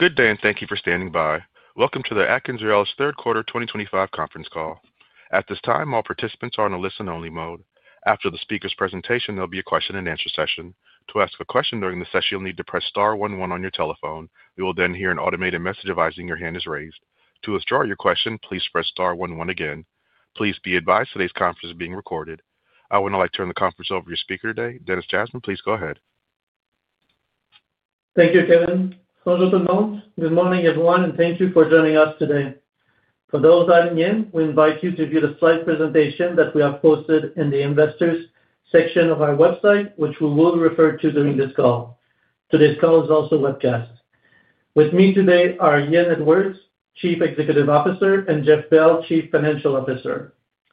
Good day, and thank you for standing by. Welcome to the AtkinsRéalis third quarter 2025 conference call. At this time, all participants are in a listen-only mode. After the speaker's presentation, there'll be a question-and-answer session. To ask a question during the session, you'll need to press star one one on your telephone. You will then hear an automated message advising your hand is raised. To withdraw your question, please press star one one again. Please be advised today's conference is being recorded. I would now like to turn the conference over to your speaker today, Denis Jasmin. Please go ahead. Thank you, Kevin. [Bonjour tout le monde]. Good morning, everyone, and thank you for joining us today. For those dialing in, we invite you to view the slide presentation that we have posted in the investors section of our website, which we will refer to during this call. Today's call is also webcast. With me today are Ian Edwards, Chief Executive Officer, and Jeff Bell, Chief Financial Officer.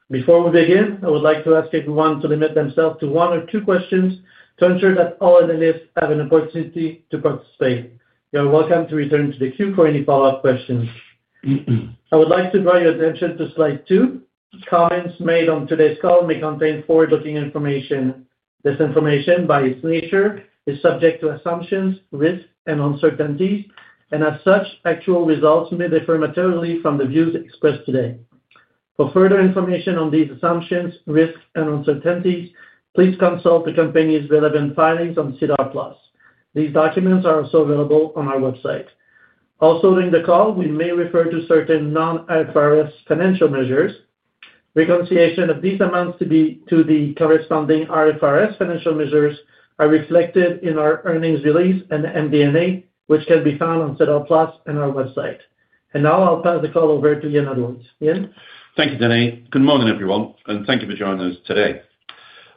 Before we begin, I would like to ask everyone to limit themselves to one or two questions to ensure that all analysts have an opportunity to participate. You are welcome to return to the queue for any follow-up questions. I would like to draw your attention to slide two. Comments made on today's call may contain forward-looking information. This information, by its nature, is subject to assumptions, risks, and uncertainties, and as such, actual results may differ materially from the views expressed today. For further information on these assumptions, risks, and uncertainties, please consult the company's relevant filings on SEDAR +. These documents are also available on our website. Also, during the call, we may refer to certain non-IFRS financial measures. Reconciliation of these amounts to the corresponding IFRS financial measures is reflected in our earnings release and MD&A, which can be found on SEDAR + and our website. Now I'll pass the call over to Ian Edwards. Ian. Thank you, Denis. Good morning, everyone, and thank you for joining us today.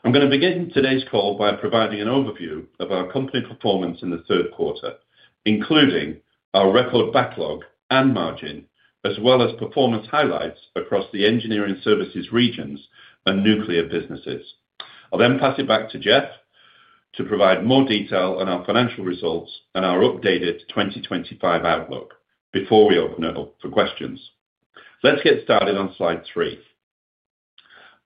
I'm going to begin today's call by providing an overview of our company performance in the third quarter, including our record backlog and margin, as well as performance highlights across the engineering services regions and nuclear businesses. I'll then pass it back to Jeff to provide more detail on our financial results and our updated 2025 outlook before we open it up for questions. Let's get started on slide three.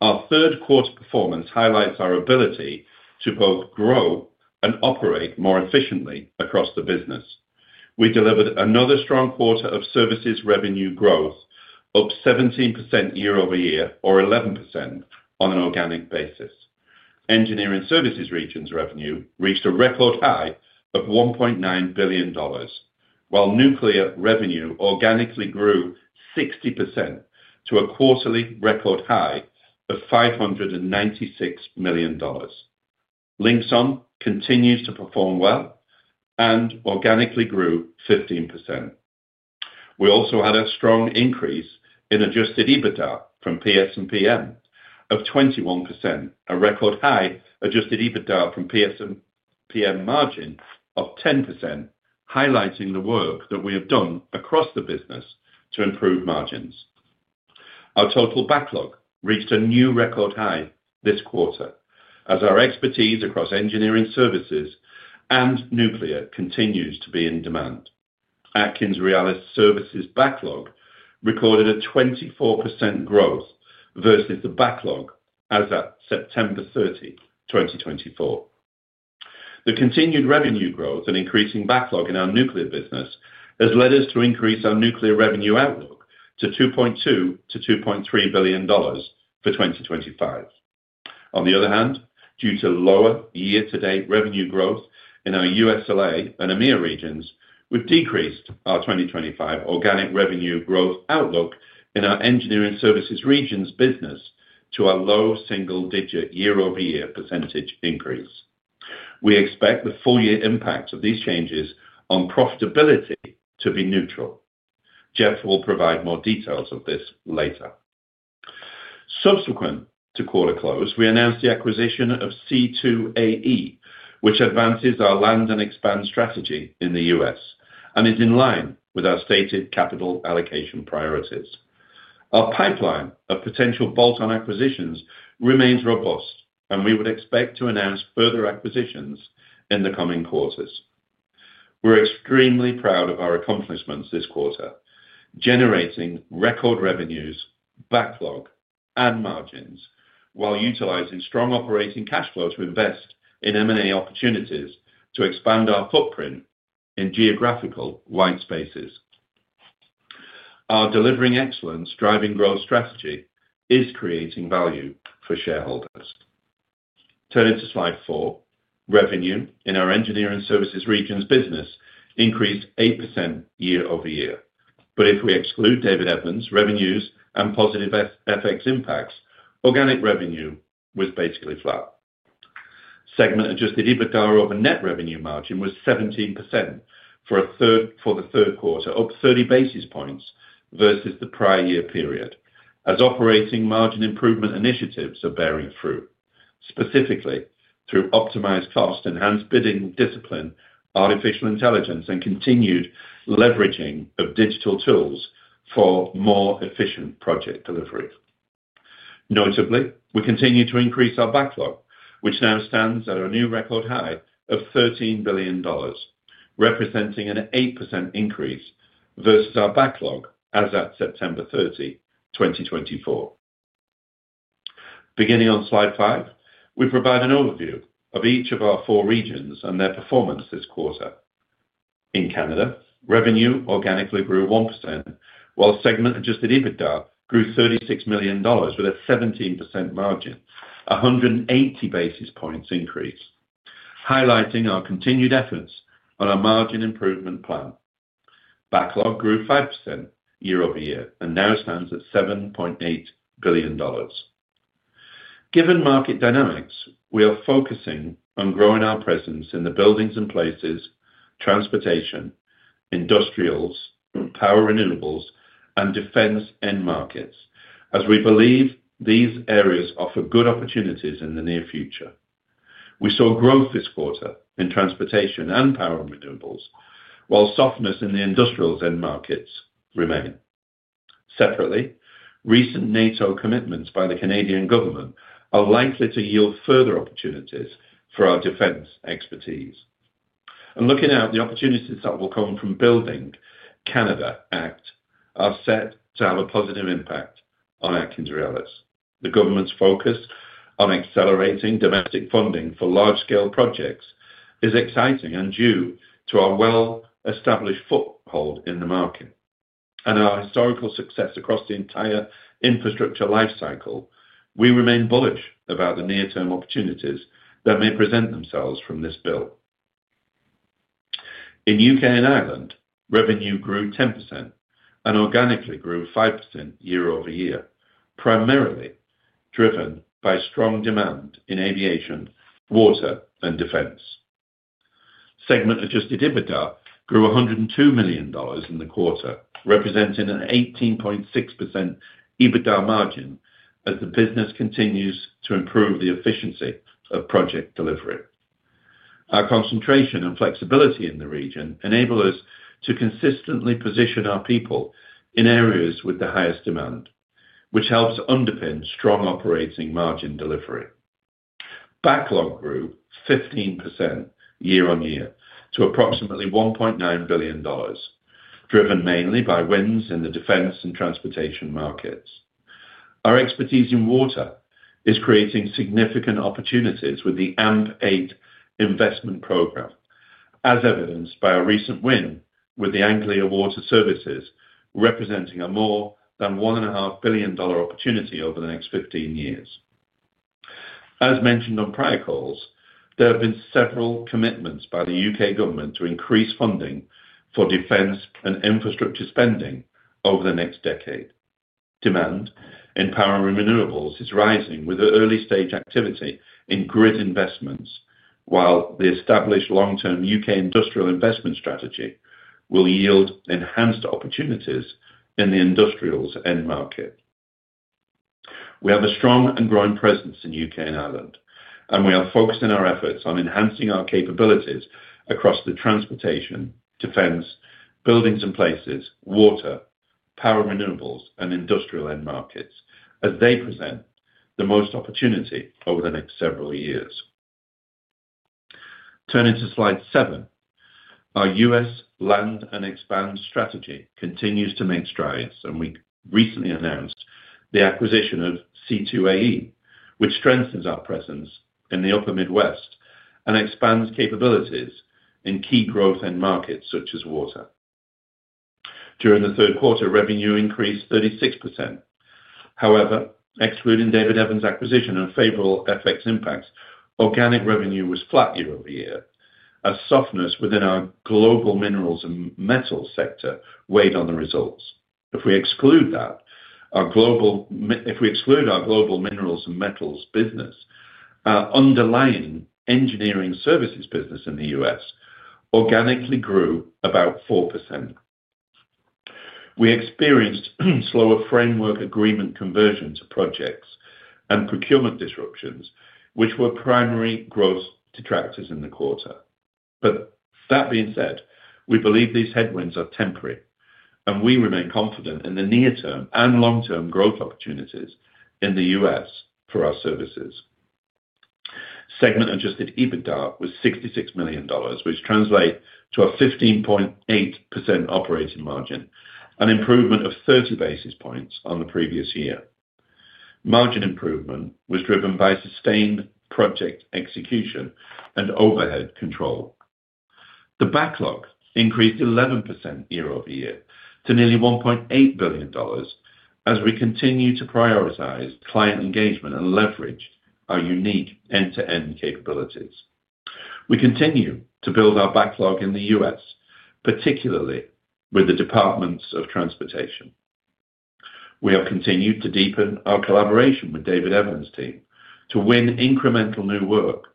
Our third quarter performance highlights our ability to both grow and operate more efficiently across the business. We delivered another strong quarter of services revenue growth, up 17% year-over-year, or 11% on an organic basis. Engineering services regions' revenue reached a record high of $1.9 billion, while nuclear revenue organically grew 60% to a quarterly record high of $596 million. Linxon continues to perform well and organically grew 15%. We also had a strong increase in adjusted EBITDA from PS&PM of 21%, a record high adjusted EBITDA from PS&PM margin of 10%, highlighting the work that we have done across the business to improve margins. Our total backlog reached a new record high this quarter, as our expertise across engineering services and nuclear continues to be in demand. AtkinsRéalis services backlog recorded a 24% growth versus the backlog as of September 30, 2024. The continued revenue growth and increasing backlog in our nuclear business has led us to increase our nuclear revenue outlook to $2.2 billion-$2.3 billion for 2025. On the other hand, due to lower year-to-date revenue growth in our USLA and EMEA regions, we've decreased our 2025 organic revenue growth outlook in our engineering services regions business to a low single-digit year-over-year percentage increase. We expect the full year impact of these changes on profitability to be neutral. Jeff will provide more details of this later. Subsequent to quarter close, we announced the acquisition of C2AE, which advances our land and expand strategy in the U.S. and is in line with our stated capital allocation priorities. Our pipeline of potential bolt-on acquisitions remains robust, and we would expect to announce further acquisitions in the coming quarters. We're extremely proud of our accomplishments this quarter, generating record revenues, backlog, and margins, while utilizing strong operating cash flow to invest in M&A opportunities to expand our footprint in geographical white spaces. Our delivering excellence driving growth strategy is creating value for shareholders. Turning to slide four, revenue in our engineering services regions business increased 8% year-over-year. If we exclude David Evans' revenues and positive effects impacts, organic revenue was basically flat. Segment-adjusted EBITDA over net revenue margin was 17% for the third quarter, up 30 basis points versus the prior year period, as operating margin improvement initiatives are bearing through, specifically through optimized cost, enhanced bidding discipline, artificial intelligence, and continued leveraging of digital tools for more efficient project delivery. Notably, we continue to increase our backlog, which now stands at a new record high of $13 billion, representing an 8% increase versus our backlog as at September 30, 2024. Beginning on slide five, we provide an overview of each of our four regions and their performance this quarter. In Canada, revenue organically grew 1%, while segment-adjusted EBITDA grew $36 million with a 17% margin, a 180 basis points increase, highlighting our continued efforts on our margin improvement plan. Backlog grew 5% year-over-year and now stands at $7.8 billion. Given market dynamics, we are focusing on growing our presence in the buildings and places, transportation, industrials, power renewables, and defense end markets, as we believe these areas offer good opportunities in the near future. We saw growth this quarter in transportation and power renewables, while softness in the industrials end markets remains. Separately, recent NATO commitments by the Canadian government are likely to yield further opportunities for our defense expertise. Looking at the opportunities that will come from Building Canada Act, these are set to have a positive impact on AtkinsRéalis. The government's focus on accelerating domestic funding for large-scale projects is exciting and due to our well-established foothold in the market and our historical success across the entire infrastructure lifecycle. We remain bullish about the near-term opportunities that may present themselves from this bill. In U.K. and Ireland, revenue grew 10% and organically grew 5% year-over-year, primarily driven by strong demand in aviation, water, and defense. Segment-adjusted EBITDA grew $102 million in the quarter, representing an 18.6% EBITDA margin as the business continues to improve the efficiency of project delivery. Our concentration and flexibility in the region enable us to consistently position our people in areas with the highest demand, which helps underpin strong operating margin delivery. Backlog grew 15% year on year to approximately $1.9 billion, driven mainly by wins in the defense and transportation markets. Our expertise in water is creating significant opportunities with the AMP8 investment program, as evidenced by our recent win with Anglia Water Services, representing a more than $1.5 billion opportunity over the next 15 years. As mentioned on prior calls, there have been several commitments by the U.K. government to increase funding for defense and infrastructure spending over the next decade. Demand in power renewables is rising with early-stage activity in grid investments, while the established long-term U.K. industrial investment strategy will yield enhanced opportunities in the industrials end market. We have a strong and growing presence in U.K. and Ireland, and we are focusing our efforts on enhancing our capabilities across the transportation, defense, buildings and places, water, power renewables, and industrial end markets, as they present the most opportunity over the next several years. Turning to slide seven, our U.S. land and expand strategy continues to make strides, and we recently announced the acquisition of C2AE, which strengthens our presence in the upper Midwest and expands capabilities in key growth end markets such as water. During the third quarter, revenue increased 36%. However, excluding David Evans & Associates' acquisition and favorable effects impacts, organic revenue was flat year-over-year, as softness within our global minerals and metals sector weighed on the results. If we exclude our global minerals and metals business, our underlying engineering services business in the U.S. organically grew about 4%. We experienced slower framework agreement conversions of projects and procurement disruptions, which were primary growth detractors in the quarter. That being said, we believe these headwinds are temporary, and we remain confident in the near-term and long-term growth opportunities in the U.S. for our services. Segment-adjusted EBITDA was $66 million, which translates to a 15.8% operating margin, an improvement of 30 basis points on the previous year. Margin improvement was driven by sustained project execution and overhead control. The backlog increased 11% year-over-year to nearly $1.8 billion, as we continue to prioritize client engagement and leverage our unique end-to-end capabilities. We continue to build our backlog in the U,S. particularly with the Departments of Transportation. We have continued to deepen our collaboration with David Evans & Associates' team to win incremental new work,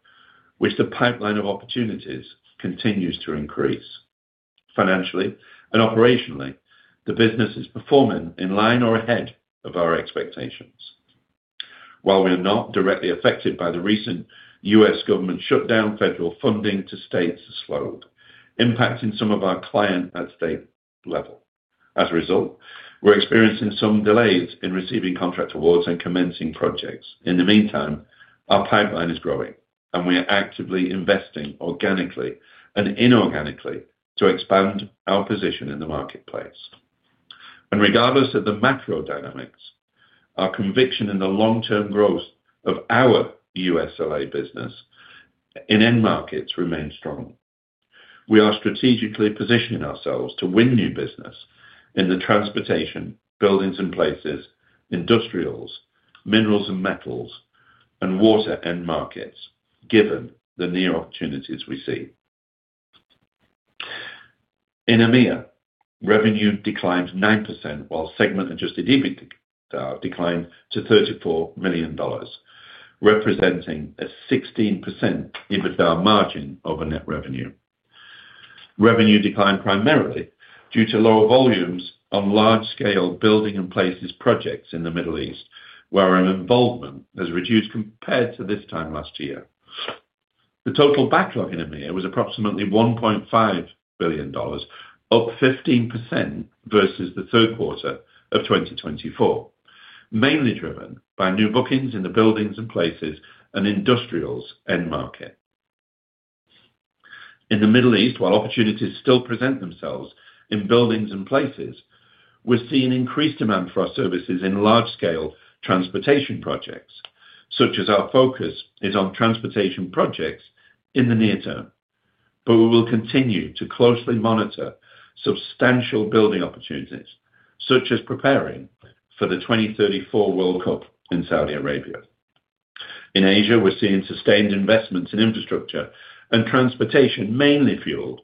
which the pipeline of opportunities continues to increase. Financially and operationally, the business is performing in line or ahead of our expectations, while we are not directly affected by the recent U.S. government shutdown, federal funding to states has slowed, impacting some of our clients at the state level. As a result, we're experiencing some delays in receiving contract awards and commencing projects. In the meantime, our pipeline is growing, and we are actively investing organically and inorganically to expand our position in the marketplace. Regardless of the macro dynamics, our conviction in the long-term growth of our USLA business in end markets remains strong. We are strategically positioning ourselves to win new business in the transportation, buildings and places, industrials, minerals and metals, and water end markets, given the near opportunities we see. In EMEA, revenue declined 9%, while segment-adjusted EBITDA declined to $34 million, representing a 16% EBITDA margin over net revenue. Revenue declined primarily due to lower volumes on large-scale buildings and places projects in the Middle East, where our involvement has reduced compared to this time last year. The total backlog in EMEA was approximately $1.5 billion, up 15% versus the third quarter of 2024, mainly driven by new bookings in the buildings and places and industrials end market. In the Middle East, while opportunities still present themselves in buildings and places, we're seeing increased demand for our services in large-scale transportation projects, such as our focus is on transportation projects in the near term. We will continue to closely monitor substantial building opportunities, such as preparing for the 2034 World Cup in Saudi Arabia. In Asia, we're seeing sustained investments in infrastructure and transportation, mainly fueled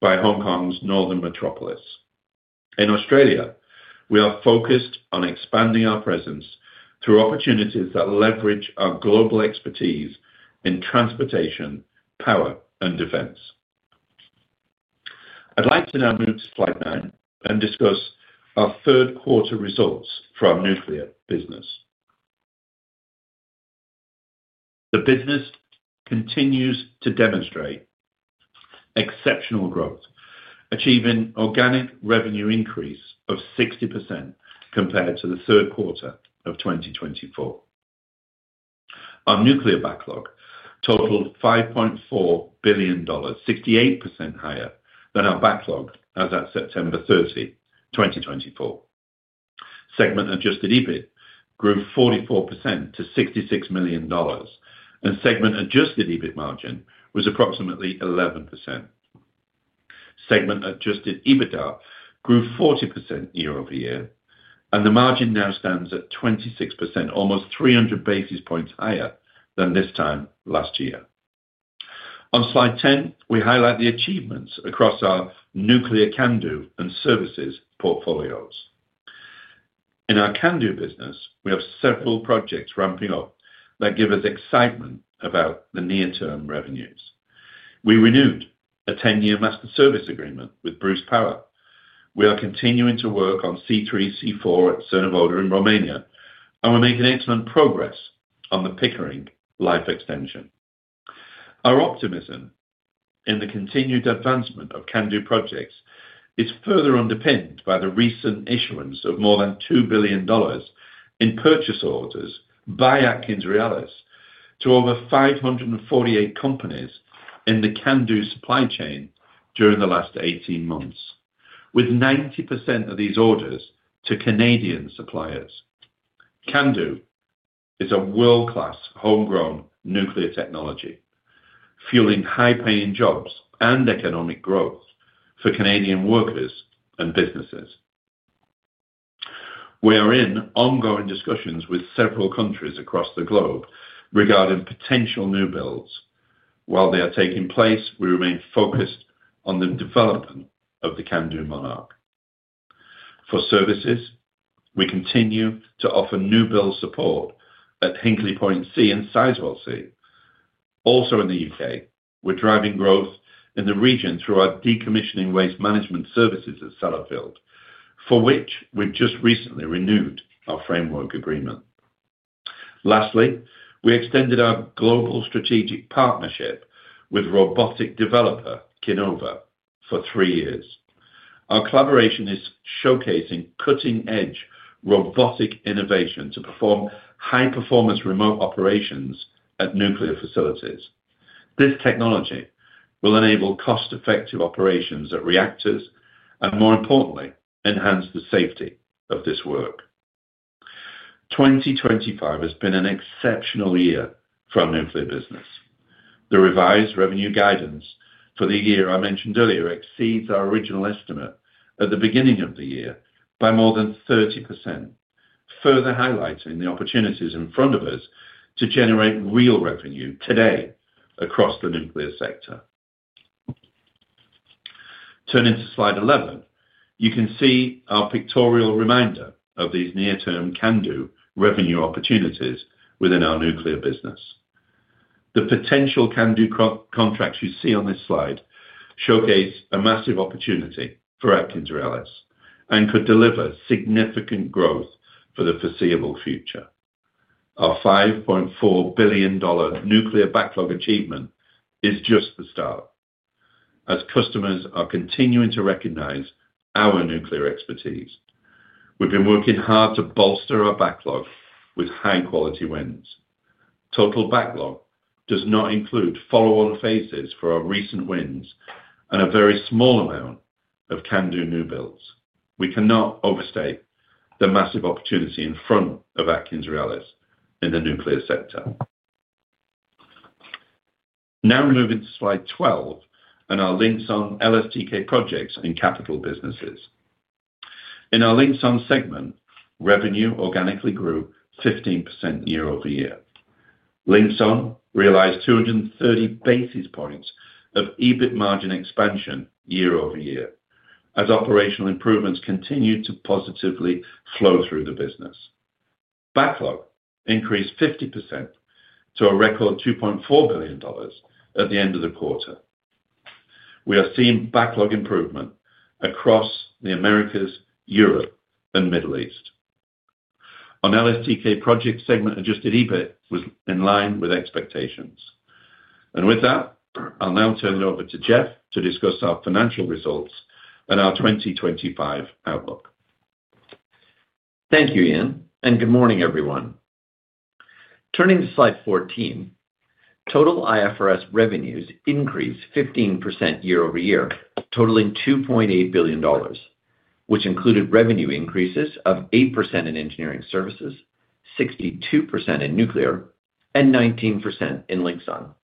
by Hong Kong's northern metropolis. In Australia, we are focused on expanding our presence through opportunities that leverage our global expertise in transportation, power, and defense. I'd like to now move to slide nine and discuss our third quarter results from nuclear business. The business continues to demonstrate exceptional growth, achieving organic revenue increase of 60% compared to the third quarter of 2024. Our nuclear backlog totaled $5.4 billion, 68% higher than our backlog as of September 30, 2024. Segment-adjusted EBITIDA grew 44% to $66 million, and segment-adjusted EBIT margin was approximately 11%. Segment-adjusted EBITDA grew 40% year-over-year, and the margin now stands at 26%, almost 300 basis points higher than this time last year. On slide 10, we highlight the achievements across our nuclear CANDU and services portfolios. In our CANDU business, we have several projects ramping up that give us excitement about the near-term revenues. We renewed a 10-year master service agreement with Bruce Power. We are continuing to work on C3, C4 at Cernavodă in Romania, and we're making excellent progress on the Pickering life extension. Our optimism in the continued advancement of CANDU projects is further underpinned by the recent issuance of more than $2 billion in purchase orders by AtkinsRéalis to over 548 companies in the CANDU supply chain during the last 18 months, with 90% of these orders to Canadian suppliers. CANDU is a world-class homegrown nuclear technology, fueling high-paying jobs and economic growth for Canadian workers and businesses. We are in ongoing discussions with several countries across the globe regarding potential new builds. While they are taking place, we remain focused on the development of the CANDU Monarch. For services, we continue to offer new build support at Hinkley Point C and Sizewell C. Also in the U.K., we're driving growth in the region through our decommissioning waste management services at Sellafield, for which we've just recently renewed our framework agreement. Lastly, we extended our global strategic partnership with robotic developer Kinova for three years. Our collaboration is showcasing cutting-edge robotic innovation to perform high-performance remote operations at nuclear facilities. This technology will enable cost-effective operations at reactors and, more importantly, enhance the safety of this work. 2025 has been an exceptional year for our nuclear business. The revised revenue guidance for the year I mentioned earlier exceeds our original estimate at the beginning of the year by more than 30%, further highlighting the opportunities in front of us to generate real revenue today across the nuclear sector. Turning to slide 11, you can see our pictorial reminder of these near-term CANDU revenue opportunities within our nuclear business. The potential CANDU contracts you see on this slide showcase a massive opportunity for AtkinsRéalis and could deliver significant growth for the foreseeable future. Our $5.4 billion nuclear backlog achievement is just the start, as customers are continuing to recognize our nuclear expertise. We've been working hard to bolster our backlog with high-quality wins. Total backlog does not include follow-on phases for our recent wins and a very small amount of CANDU new builds. We cannot overstate the massive opportunity in front of AtkinsRéalis in the nuclear sector. Now we move into slide 12 and our Linxon LSTK projects and capital businesses. In our Linxon segment, revenue organically grew 15% year-over-year. Linxon realized 230 basis points of EBITIDA margin expansion year-over-year as operational improvements continued to positively flow through the business. Backlog increased 50% to a record $2.4 billion at the end of the quarter. We are seeing backlog improvement across the Americas, Europe, and Middle East. On LSTK projects, segment-adjusted EBITIDA was in line with expectations. With that, I'll now turn it over to Jeff to discuss our financial results and our 2025 outlook. Thank you, Ian, and good morning, everyone. Turning to slide 14, total IFRS revenues increased 15% year-over-year, totaling $2.8 billion, which included revenue increases of 8% in engineering services, 62% in nuclear, and 19% in Linxon.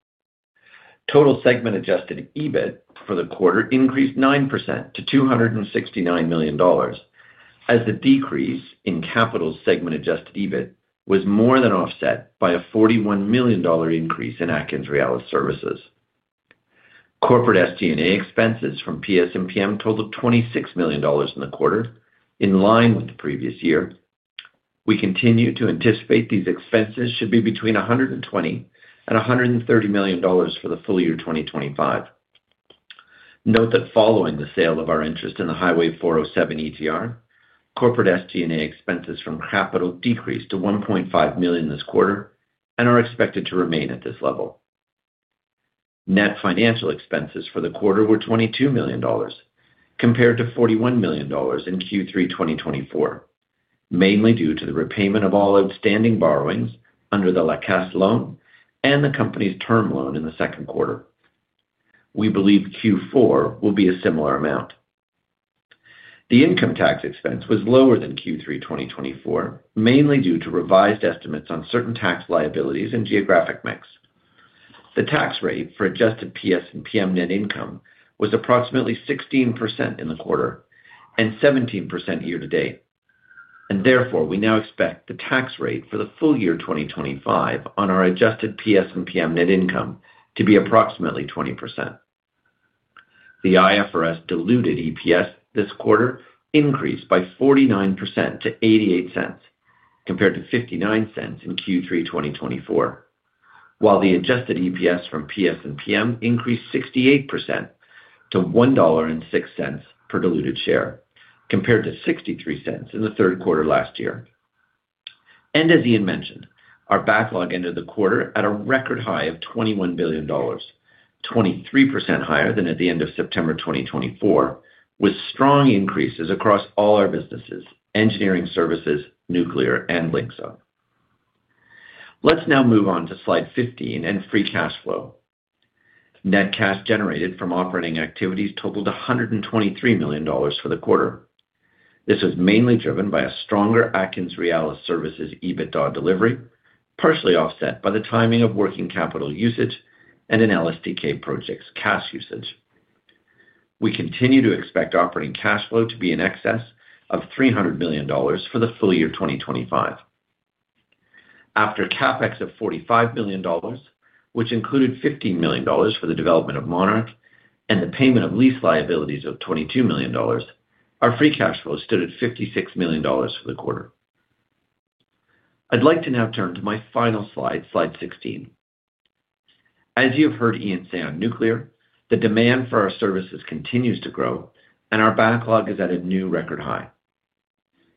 Total segment-adjusted EBITIDA for the quarter increased 9% to $269 million, as the decrease in capital segment-adjusted EBIT was more than offset by a $41 million increase in AtkinsRéalis services. Corporate SG&A expenses from PS&PM totaled $26 million in the quarter, in line with the previous year. We continue to anticipate these expenses should be between $120-$130 million for the full year 2025. Note that following the sale of our interest in the Highway 407 ETR, corporate SG&A expenses from capital decreased to $1.5 million this quarter and are expected to remain at this level. Net financial expenses for the quarter were $22 million compared to $41 million in Q3 2024, mainly due to the repayment of all outstanding borrowings under the Lacasse loan and the company's term loan in the second quarter. We believe Q4 will be a similar amount. The income tax expense was lower than Q3 2024, mainly due to revised estimates on certain tax liabilities and geographic mix. The tax rate for adjusted PS&PM net income was approximately 16% in the quarter and 17% year to date. Therefore, we now expect the tax rate for the full year 2025 on our adjusted PS&PM net income to be approximately 20%. The IFRS diluted EPS this quarter increased by 49% to $0.88 compared to $0.59 in Q3 2024, while the adjusted EPS from PS&PM increased 68% to $1.06 per diluted share compared to $0.63 in the third quarter last year. As Ian mentioned, our backlog ended the quarter at a record high of $21 billion, 23% higher than at the end of September 2024, with strong increases across all our businesses: engineering services, nuclear, and Linxon. Let's now move on to slide 15 and free cash flow. Net cash generated from operating activities totaled $123 million for the quarter. This was mainly driven by a stronger AtkinsRéalis services EBITDA delivery, partially offset by the timing of working capital usage and in LSTK projects' cash usage. We continue to expect operating cash flow to be in excess of $300 million for the full year 2025. After CapEx of $45 million, which included $15 million for the development of Monarch and the payment of lease liabilities of $22 million, our free cash flow stood at $56 million for the quarter. I'd like to now turn to my final slide, slide 16. As you have heard Ian say on nuclear, the demand for our services continues to grow, and our backlog is at a new record high.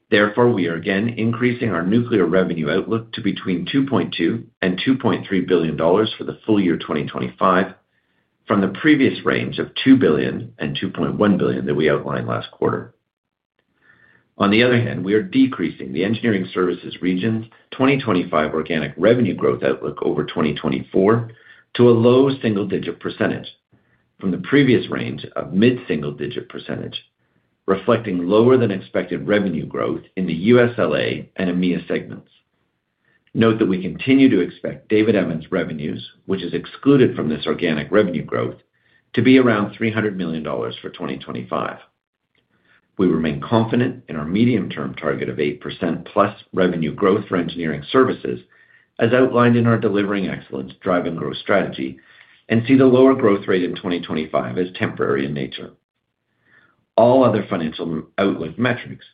Therefore, we are again increasing our nuclear revenue outlook to between $2.2 billion and $2.3 billion for the full year 2025, from the previous range of $2 billion and $2.1 billion that we outlined last quarter. On the other hand, we are decreasing the engineering services region's 2025 organic revenue growth outlook over 2024 to a low single-digit percent from the previous range of mid-single-digit %, reflecting lower than expected revenue growth in the USLA and EMEA segments. Note that we continue to expect David Evans' revenues, which is excluded from this organic revenue growth, to be around $300 million for 2025. We remain confident in our medium-term target of 8%+ revenue growth for engineering services, as outlined in our delivering excellence drive and growth strategy, and see the lower growth rate in 2025 as temporary in nature. All other financial outlook metrics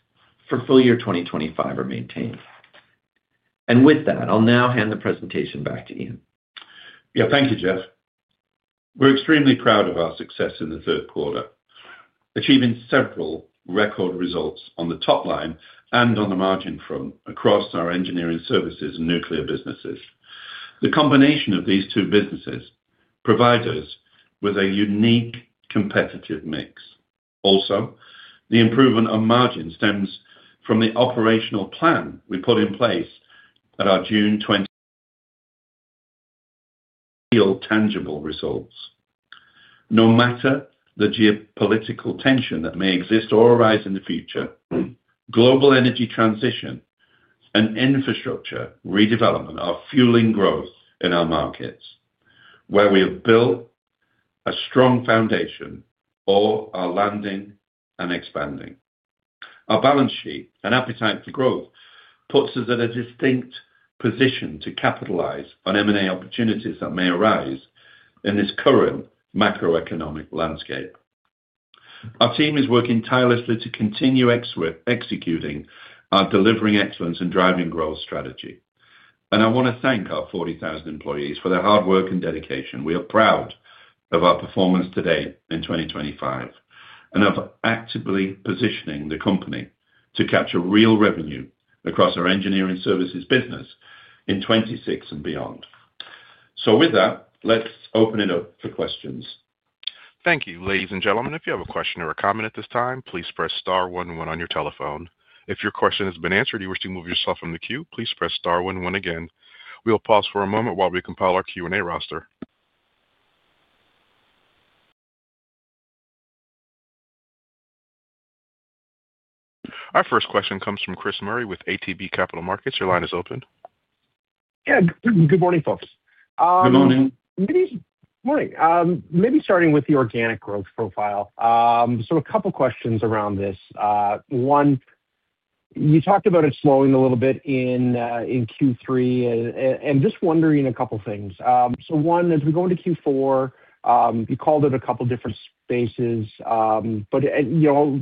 for full year 2025 are maintained. With that, I'll now hand the presentation back to Ian. Yeah, thank you, Jeff. We're extremely proud of our success in the third quarter, achieving several record results on the top line and on the margin from across our engineering services and nuclear businesses. The combination of these two businesses provides us with a unique competitive mix. Also, the improvement of margin stems from the operational plan we put in place at our June field tangible results. No matter the geopolitical tension that may exist or arise in the future, global energy transition and infrastructure redevelopment are fueling growth in our markets, where we have built a strong foundation or are landing and expanding. Our balance sheet and appetite for growth puts us at a distinct position to capitalize on M&A opportunities that may arise in this current macroeconomic landscape. Our team is working tirelessly to continue executing our delivering excellence and driving growth strategy. I want to thank our 40,000 employees for their hard work and dedication. We are proud of our performance today in 2025 and of actively positioning the company to capture real revenue across our engineering services business in 2026 and beyond. With that, let's open it up for questions. Thank you, ladies and gentlemen. If you have a question or a comment at this time, please press star one one on your telephone. If your question has been answered, you wish to move yourself from the queue, please press star one one again. We'll pause for a moment while we compile our Q&A roster. Our first question comes from Chris Murray with ATB Capital Markets. Your line is open. Yeah, good morning, folks. Good morning. Good morning. Maybe starting with the organic growth profile. So a couple of questions around this. One, you talked about it slowing a little bit in Q3, and just wondering a couple of things. So one, as we go into Q4, you called it a couple of different spaces, but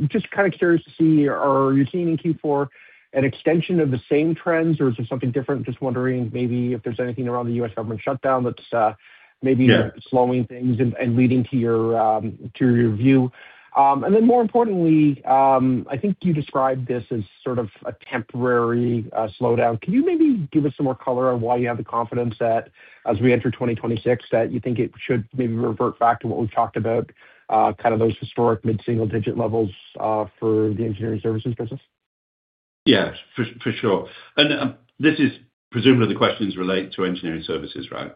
just kind of curious to see, are you seeing in Q4 an extension of the same trends, or is it something different? Just wondering maybe if there's anything around the U.S. government shutdown that's maybe slowing things and leading to your view. More importantly, I think you described this as sort of a temporary slowdown. Can you maybe give us some more color on why you have the confidence that as we enter 2026, that you think it should maybe revert back to what we've talked about, kind of those historic mid-single-digit levels for the engineering services business? Yeah, for sure. This is presumably the questions relate to engineering services, right?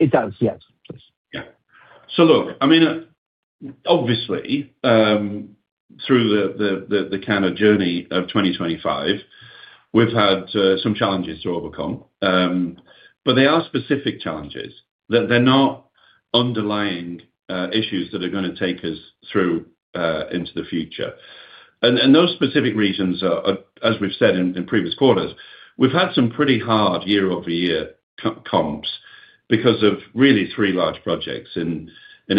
It does, yes. Yeah. Look, I mean, obviously, through the kind of journey of 2025, we've had some challenges to overcome, but they are specific challenges that they're not underlying issues that are going to take us through into the future. Those specific reasons are, as we've said in previous quarters, we've had some pretty hard year-over-year comps because of really three large projects in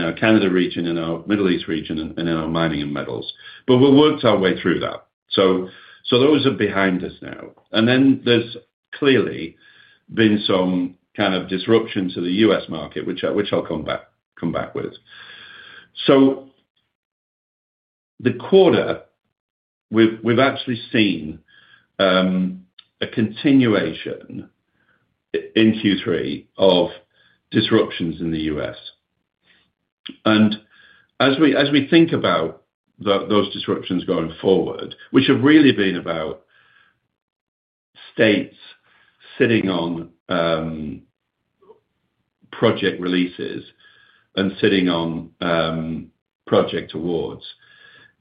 our Canada region, in our Middle East region, and in our mining and metals. We've worked our way through that. Those are behind us now. There has clearly been some kind of disruption to the U.S. market, which I'll come back with. The quarter, we've actually seen a continuation in Q3 of disruptions in the U.S. As we think about those disruptions going forward, which have really been about states sitting on project releases and sitting on project awards,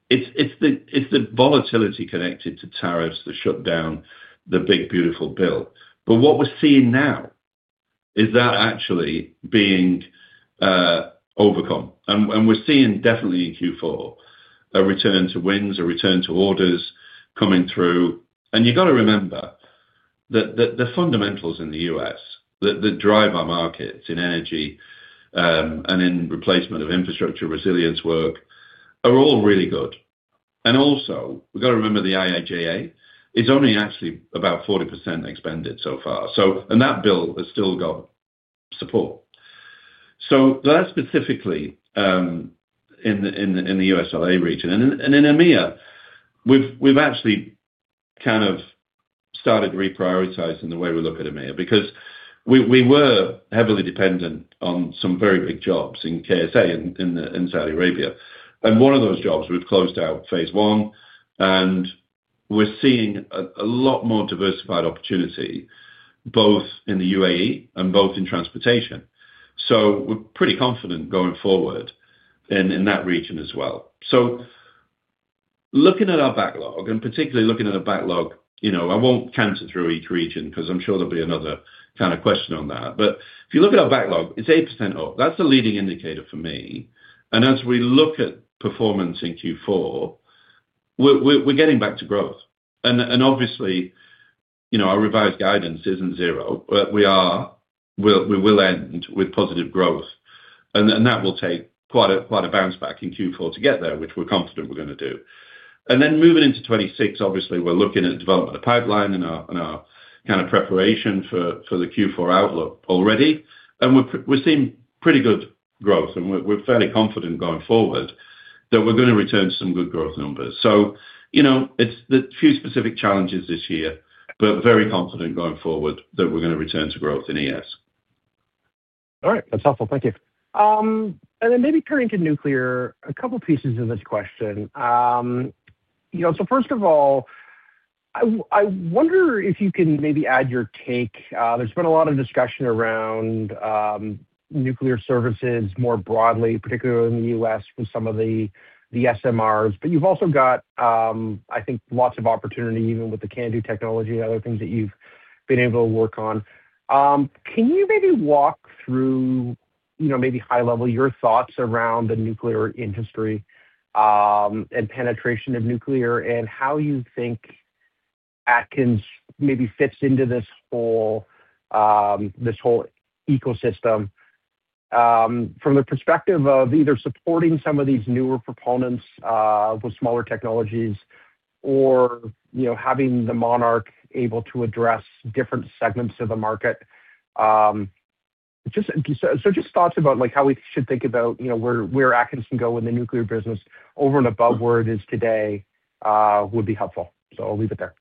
it's the volatility connected to tariffs that shut down the big beautiful bill. What we're seeing now is that actually being overcome. We're seeing definitely in Q4 a return to wins, a return to orders coming through. You have got to remember that the fundamentals in the U.S. that drive our markets in energy and in replacement of infrastructure resilience work are all really good. You have also got to remember the IIJA is only actually about 40% expanded so far. That bill has still got support. That is specifically in the USLA region. In EMEA, we have actually kind of started reprioritizing the way we look at EMEA because we were heavily dependent on some very big jobs in KSA in Saudi Arabia. One of those jobs, we have closed out phase one, and we are seeing a lot more diversified opportunity both in the UAE and both in transportation. We are pretty confident going forward in that region as well. Looking at our backlog, and particularly looking at the backlog, I won't cancer through each region because I'm sure there'll be another kind of question on that. If you look at our backlog, it's 8% up. That's a leading indicator for me. As we look at performance in Q4, we're getting back to growth. Obviously, our revised guidance isn't zero, but we will end with positive growth. That will take quite a bounce back in Q4 to get there, which we're confident we're going to do. Moving into 2026, obviously, we're looking at development of pipeline and our kind of preparation for the Q4 outlook already. We're seeing pretty good growth, and we're fairly confident going forward that we're going to return to some good growth numbers. It is the few specific challenges this year, but very confident going forward that we are going to return to growth in U.S. All right. That is helpful. Thank you. Maybe turning to nuclear, a couple of pieces of this question. First of all, I wonder if you can maybe add your take. There has been a lot of discussion around nuclear services more broadly, particularly in the U.S. with some of the SMRs. You have also got, I think, lots of opportunity even with the CANDU technology and other things that you have been able to work on. Can you maybe walk through maybe high-level your thoughts around the nuclear industry and penetration of nuclear and how you think AtkinsRéalis maybe fits into this whole ecosystem from the perspective of either supporting some of these newer proponents with smaller technologies or having the Monarch able to address different segments of the market? Just thoughts about how we should think about where AtkinsRéalis can go in the nuclear business over and above where it is today would be helpful. I'll leave it there.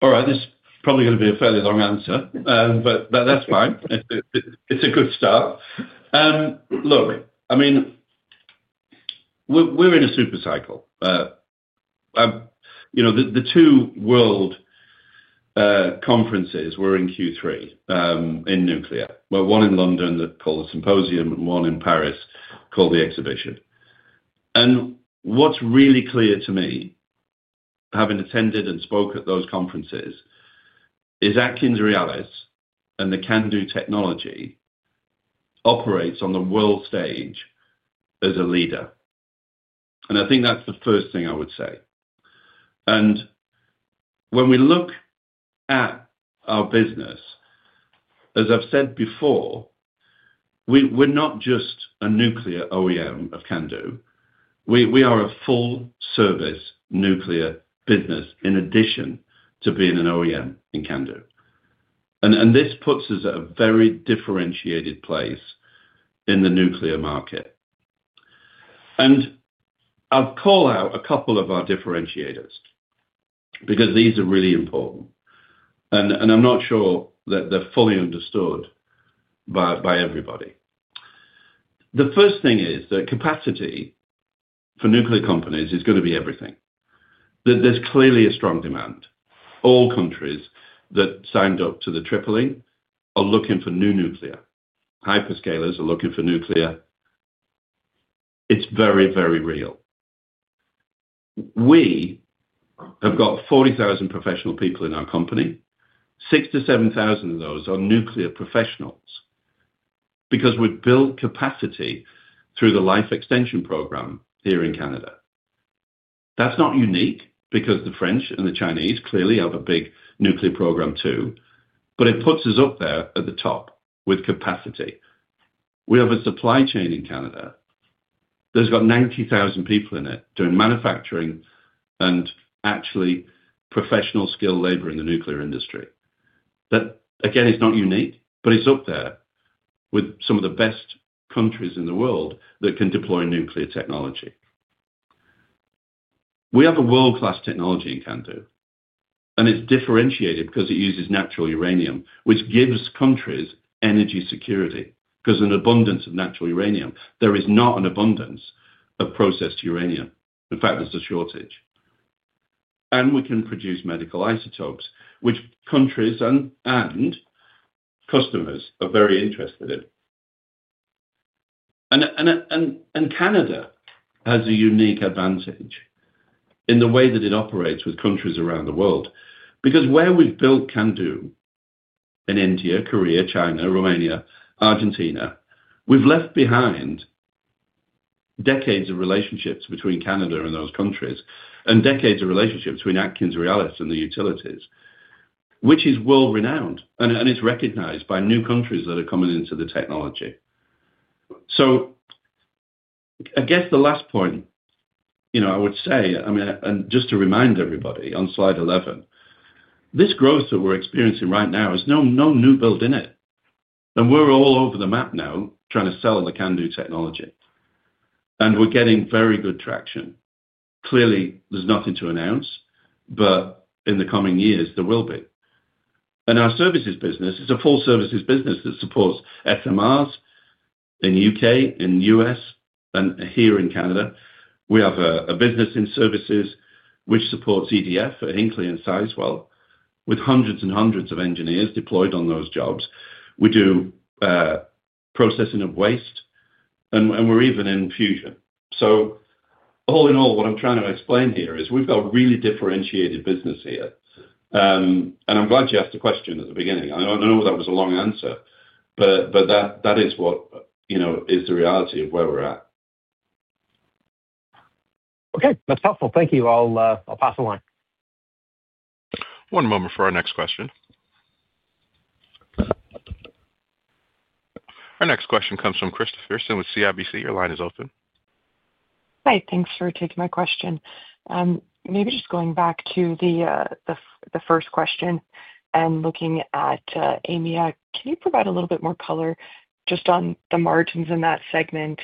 All right. This is probably going to be a fairly long answer, but that's fine. It's a good start. Look, I mean, we're in a super cycle. The two world conferences were in Q3 in nuclear. We're one in London called the Symposium and one in Paris called the Exhibition. What's really clear to me, having attended and spoke at those conferences, is AtkinsRéalis and the CANDU technology operates on the world stage as a leader. I think that's the first thing I would say. When we look at our business, as I've said before, we're not just a nuclear OEM of CANDU. We are a full-service nuclear business in addition to being an OEM in CANDU. This puts us at a very differentiated place in the nuclear market. I'll call out a couple of our differentiators because these are really important. I'm not sure that they're fully understood by everybody. The first thing is that capacity for nuclear companies is going to be everything. There's clearly a strong demand. All countries that signed up to the tripling are looking for new nuclear. Hyperscalers are looking for nuclear. It's very, very real. We have got 40,000 professional people in our company. 6,000-7,000 of those are nuclear professionals because we've built capacity through the life extension program here in Canada. That's not unique because the French and the Chinese clearly have a big nuclear program too, but it puts us up there at the top with capacity. We have a supply chain in Canada. There's got 90,000 people in it doing manufacturing and actually professional skilled labor in the nuclear industry. Again, it's not unique, but it's up there with some of the best countries in the world that can deploy nuclear technology. We have a world-class technology in CANDU, and it's differentiated because it uses natural uranium, which gives countries energy security because an abundance of natural uranium. There is not an abundance of processed uranium. In fact, there's a shortage. We can produce medical isotopes, which countries and customers are very interested in. Canada has a unique advantage in the way that it operates with countries around the world because where we've built CANDU in India, Korea, China, Romania, Argentina, we've left behind decades of relationships between Canada and those countries and decades of relationships between AtkinsRéalis and the utilities, which is world-renowned, and it's recognized by new countries that are coming into the technology. I guess the last point I would say, and just to remind everybody on slide 11, this growth that we're experiencing right now has no new build in it. We're all over the map now trying to sell the CANDU technology. We're getting very good traction. Clearly, there's nothing to announce, but in the coming years, there will be. Our services business is a full-services business that supports SMRs in the U.K., in the U.S., and here in Canada. We have a business in services which supports EDF at Hinkley and Sizewell with hundreds and hundreds of engineers deployed on those jobs. We do processing of waste, and we're even in fusion. All in all, what I'm trying to explain here is we've got a really differentiated business here. I'm glad you asked the question at the beginning. I know that was a long answer, but that is what is the reality of where we're at. Okay. That's helpful. Thank you. I'll pass the line. One moment for our next question. Our next question comes from Christopher with CIBC. Your line is open. Hi. Thanks for taking my question. Maybe just going back to the first question and looking at [any], can you provide a little bit more color just on the margins in that segment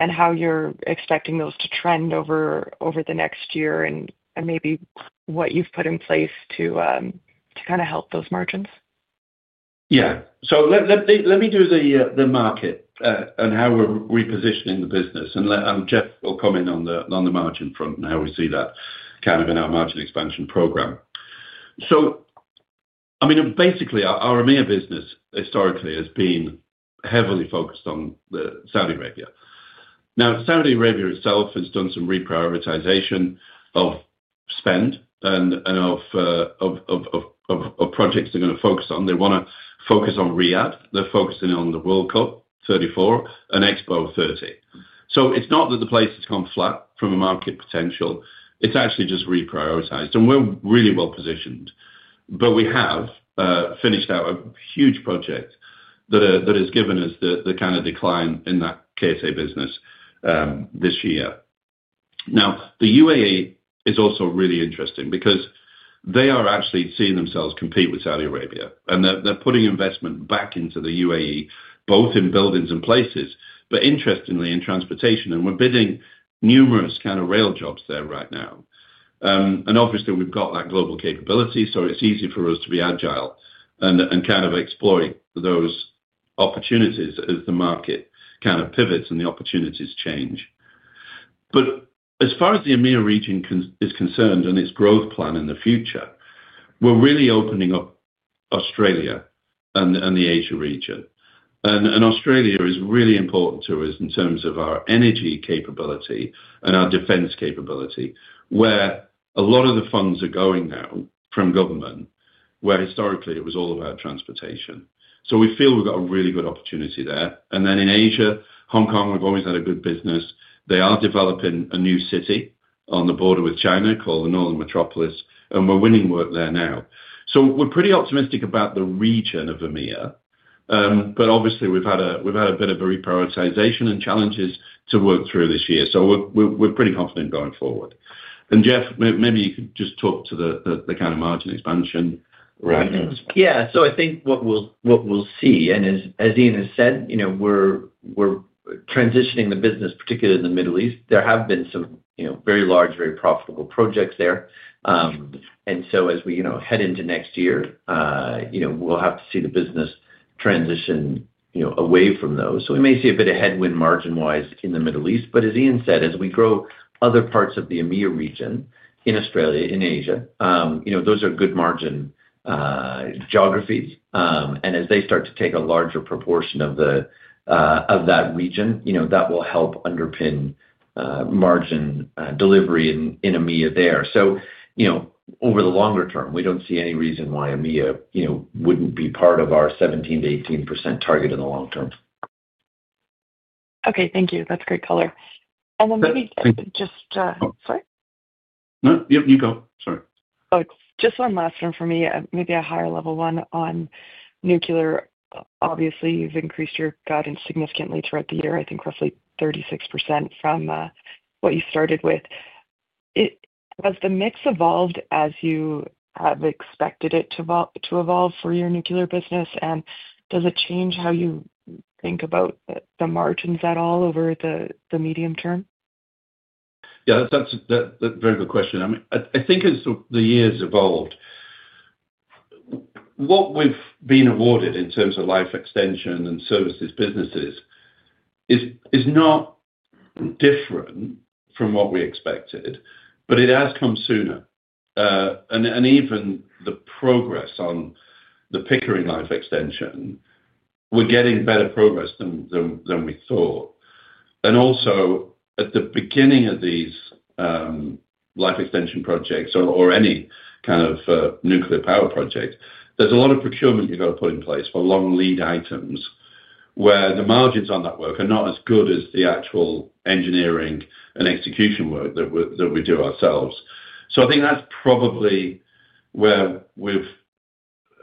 and how you're expecting those to trend over the next year and maybe what you've put in place to kind of help those margins? Yeah. Let me do the market and how we're repositioning the business. Jeff will come in on the margin front and how we see that kind of in our margin expansion program. I mean, basically, our EMEA business historically has been heavily focused on Saudi Arabia. Now, Saudi Arabia itself has done some reprioritization of spend and of projects they're going to focus on. They want to focus on Riyadh. They're focusing on the World Cup 2034 and Expo 2030. It's not that the place has gone flat from a market potential. It's actually just reprioritized. We are really well positioned. We have finished out a huge project that has given us the kind of decline in that KSA business this year. The UAE is also really interesting because they are actually seeing themselves compete with Saudi Arabia. They are putting investment back into the UAE, both in buildings and places, but interestingly in transportation. We are bidding numerous kind of rail jobs there right now. Obviously, we have got that global capability, so it is easy for us to be agile and kind of exploit those opportunities as the market pivots and the opportunities change. As far as the EMEA region is concerned and its growth plan in the future, we are really opening up Australia and the Asia region. Australia is really important to us in terms of our energy capability and our defense capability, where a lot of the funds are going now from government, where historically it was all about transportation. We feel we've got a really good opportunity there. In Asia, Hong Kong, we've always had a good business. They are developing a new city on the border with China called the Northern Metropolis, and we're winning work there now. We are pretty optimistic about the region of EMEA. Obviously, we've had a bit of a reprioritization and challenges to work through this year. We are pretty confident going forward. Jeff, maybe you could just talk to the kind of margin expansion around things. Yeah. I think what we'll see, and as Ian has said, we're transitioning the business, particularly in the Middle East. There have been some very large, very profitable projects there. As we head into next year, we'll have to see the business transition away from those. We may see a bit of headwind margin-wise in the Middle East. As Ian said, as we grow other parts of the EMEA region in Australia, in Asia, those are good margin geographies. As they start to take a larger proportion of that region, that will help underpin margin delivery in EMEA there. Over the longer term, we don't see any reason why EMEA wouldn't be part of our 17%-18% target in the long term. Okay. Thank you. That's great color. Maybe just sorry? No, you go. Sorry. Oh, just one last one for me, maybe a higher-level one on nuclear. Obviously, you've increased your guidance significantly throughout the year, I think roughly 36% from what you started with. Has the mix evolved as you have expected it to evolve for your nuclear business? Does it change how you think about the margins at all over the medium term? Yeah. That's a very good question. I think as the year's evolved, what we've been awarded in terms of life extension and services businesses is not different from what we expected, but it has come sooner. Even the progress on the Pickering life extension, we're getting better progress than we thought. Also, at the beginning of these life extension projects or any kind of nuclear power project, there's a lot of procurement you've got to put in place for long lead items where the margins on that work are not as good as the actual engineering and execution work that we do ourselves. I think that's probably where we've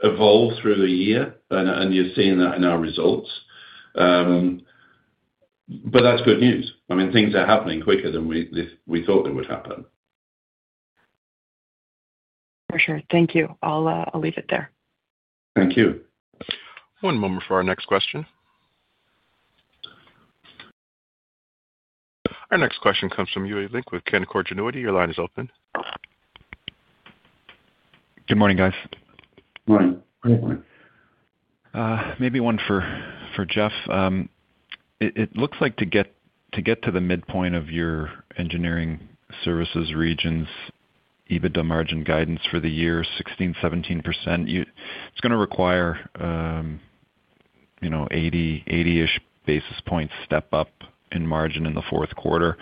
evolved through the year, and you're seeing that in our results. That's good news. I mean, things are happening quicker than we thought they would happen. For sure. Thank you. I'll leave it there. Thank you. One moment for our next question. Our next question comes from Yuri Lynk with Canaccord Genuity. Your line is open. Good morning, guys. Morning. Good morning. Maybe one for Jeff. It looks like to get to the midpoint of your engineering services regions, EBITDA margin guidance for the year, 16-17%. It's going to require 80-ish basis points step up in margin in the fourth quarter,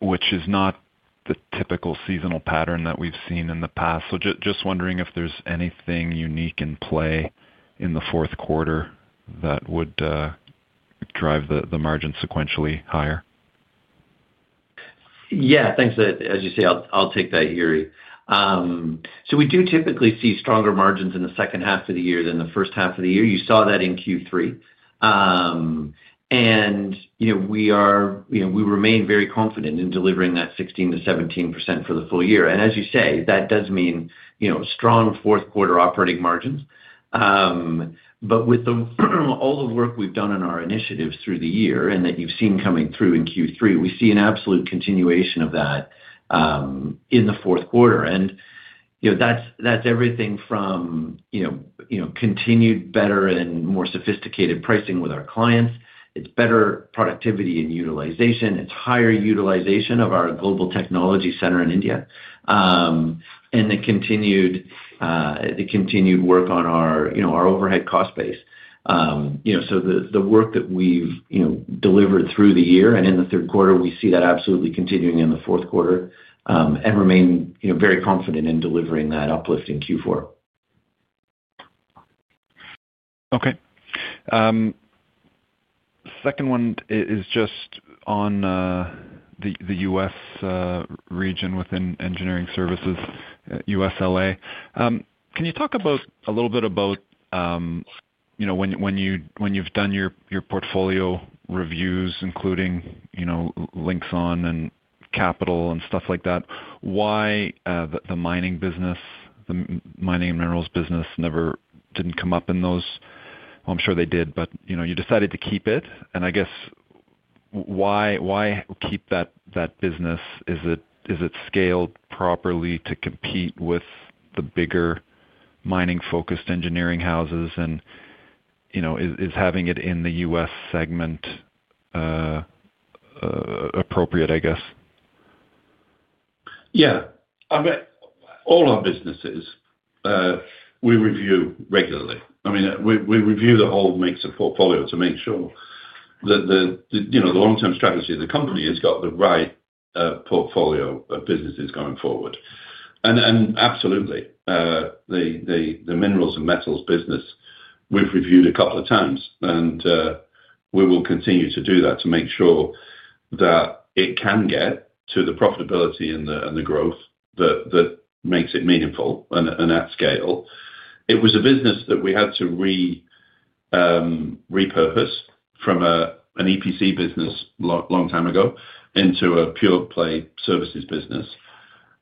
which is not the typical seasonal pattern that we've seen in the past. Just wondering if there's anything unique in play in the fourth quarter that would drive the margin sequentially higher. Yeah. Thanks. As you say, I'll take that, Yuri. We do typically see stronger margins in the second half of the year than the first half of the year. You saw that in Q3. We remain very confident in delivering that 16%-17% for the full year. As you say, that does mean strong fourth-quarter operating margins. With all the work we've done in our initiatives through the year and that you've seen coming through in Q3, we see an absolute continuation of that in the fourth quarter. That's everything from continued better and more sophisticated pricing with our clients. It's better productivity and utilization. It's higher utilization of our global technology center in India and the continued work on our overhead cost base. The work that we've delivered through the year and in the third quarter, we see that absolutely continuing in the fourth quarter and remain very confident in delivering that uplift in Q4. Okay. Second one is just on the U.S. region within engineering services, USLA. Can you talk a little bit about when you've done your portfolio reviews, including Linxon and capital and stuff like that, why the mining business, the mining and minerals business never didn't come up in those? I'm sure they did, but you decided to keep it. I guess why keep that business? Is it scaled properly to compete with the bigger mining-focused engineering houses? Is having it in the U.S. segment appropriate, I guess? Yeah. All our businesses, we review regularly. I mean, we review the whole mix of portfolio to make sure that the long-term strategy of the company has got the right portfolio of businesses going forward. Absolutely, the minerals and metals business, we've reviewed a couple of times, and we will continue to do that to make sure that it can get to the profitability and the growth that makes it meaningful and at scale. It was a business that we had to repurpose from an EPC business a long time ago into a pure-play services business.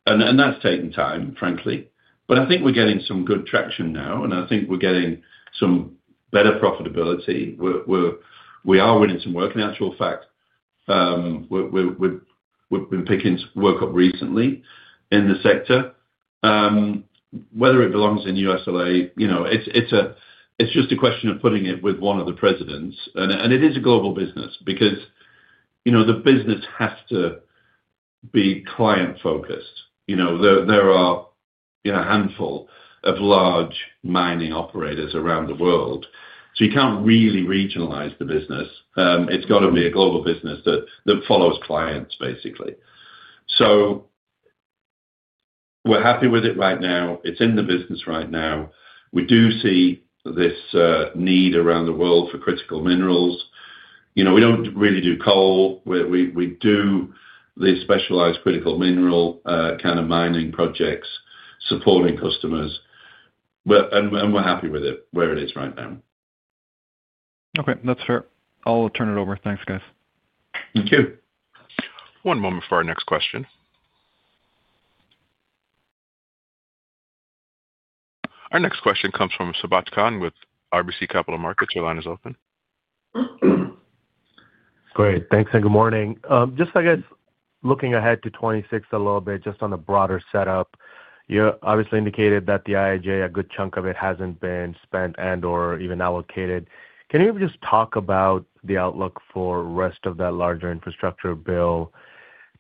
That's taken time, frankly. I think we're getting some good traction now, and I think we're getting some better profitability. We are winning some work. In actual fact, we've been picking work up recently in the sector. Whether it belongs in USLA, it's just a question of putting it with one of the presidents. It is a global business because the business has to be client-focused. There are a handful of large mining operators around the world. You can't really regionalize the business. It's got to be a global business that follows clients, basically. We're happy with it right now. It's in the business right now. We do see this need around the world for critical minerals. We don't really do coal. We do these specialized critical mineral kind of mining projects supporting customers. We're happy with it where it is right now. Okay. That's fair. I'll turn it over. Thanks, guys. Thank you. One moment for our next question. Our next question comes from Sabahat Khan with RBC Capital Markets. Your line is open. Great. Thanks. And good morning. Just, I guess, looking ahead to 2026 a little bit, just on the broader setup, you obviously indicated that the IIJA, a good chunk of it hasn't been spent and/or even allocated. Can you just talk about the outlook for the rest of that larger infrastructure bill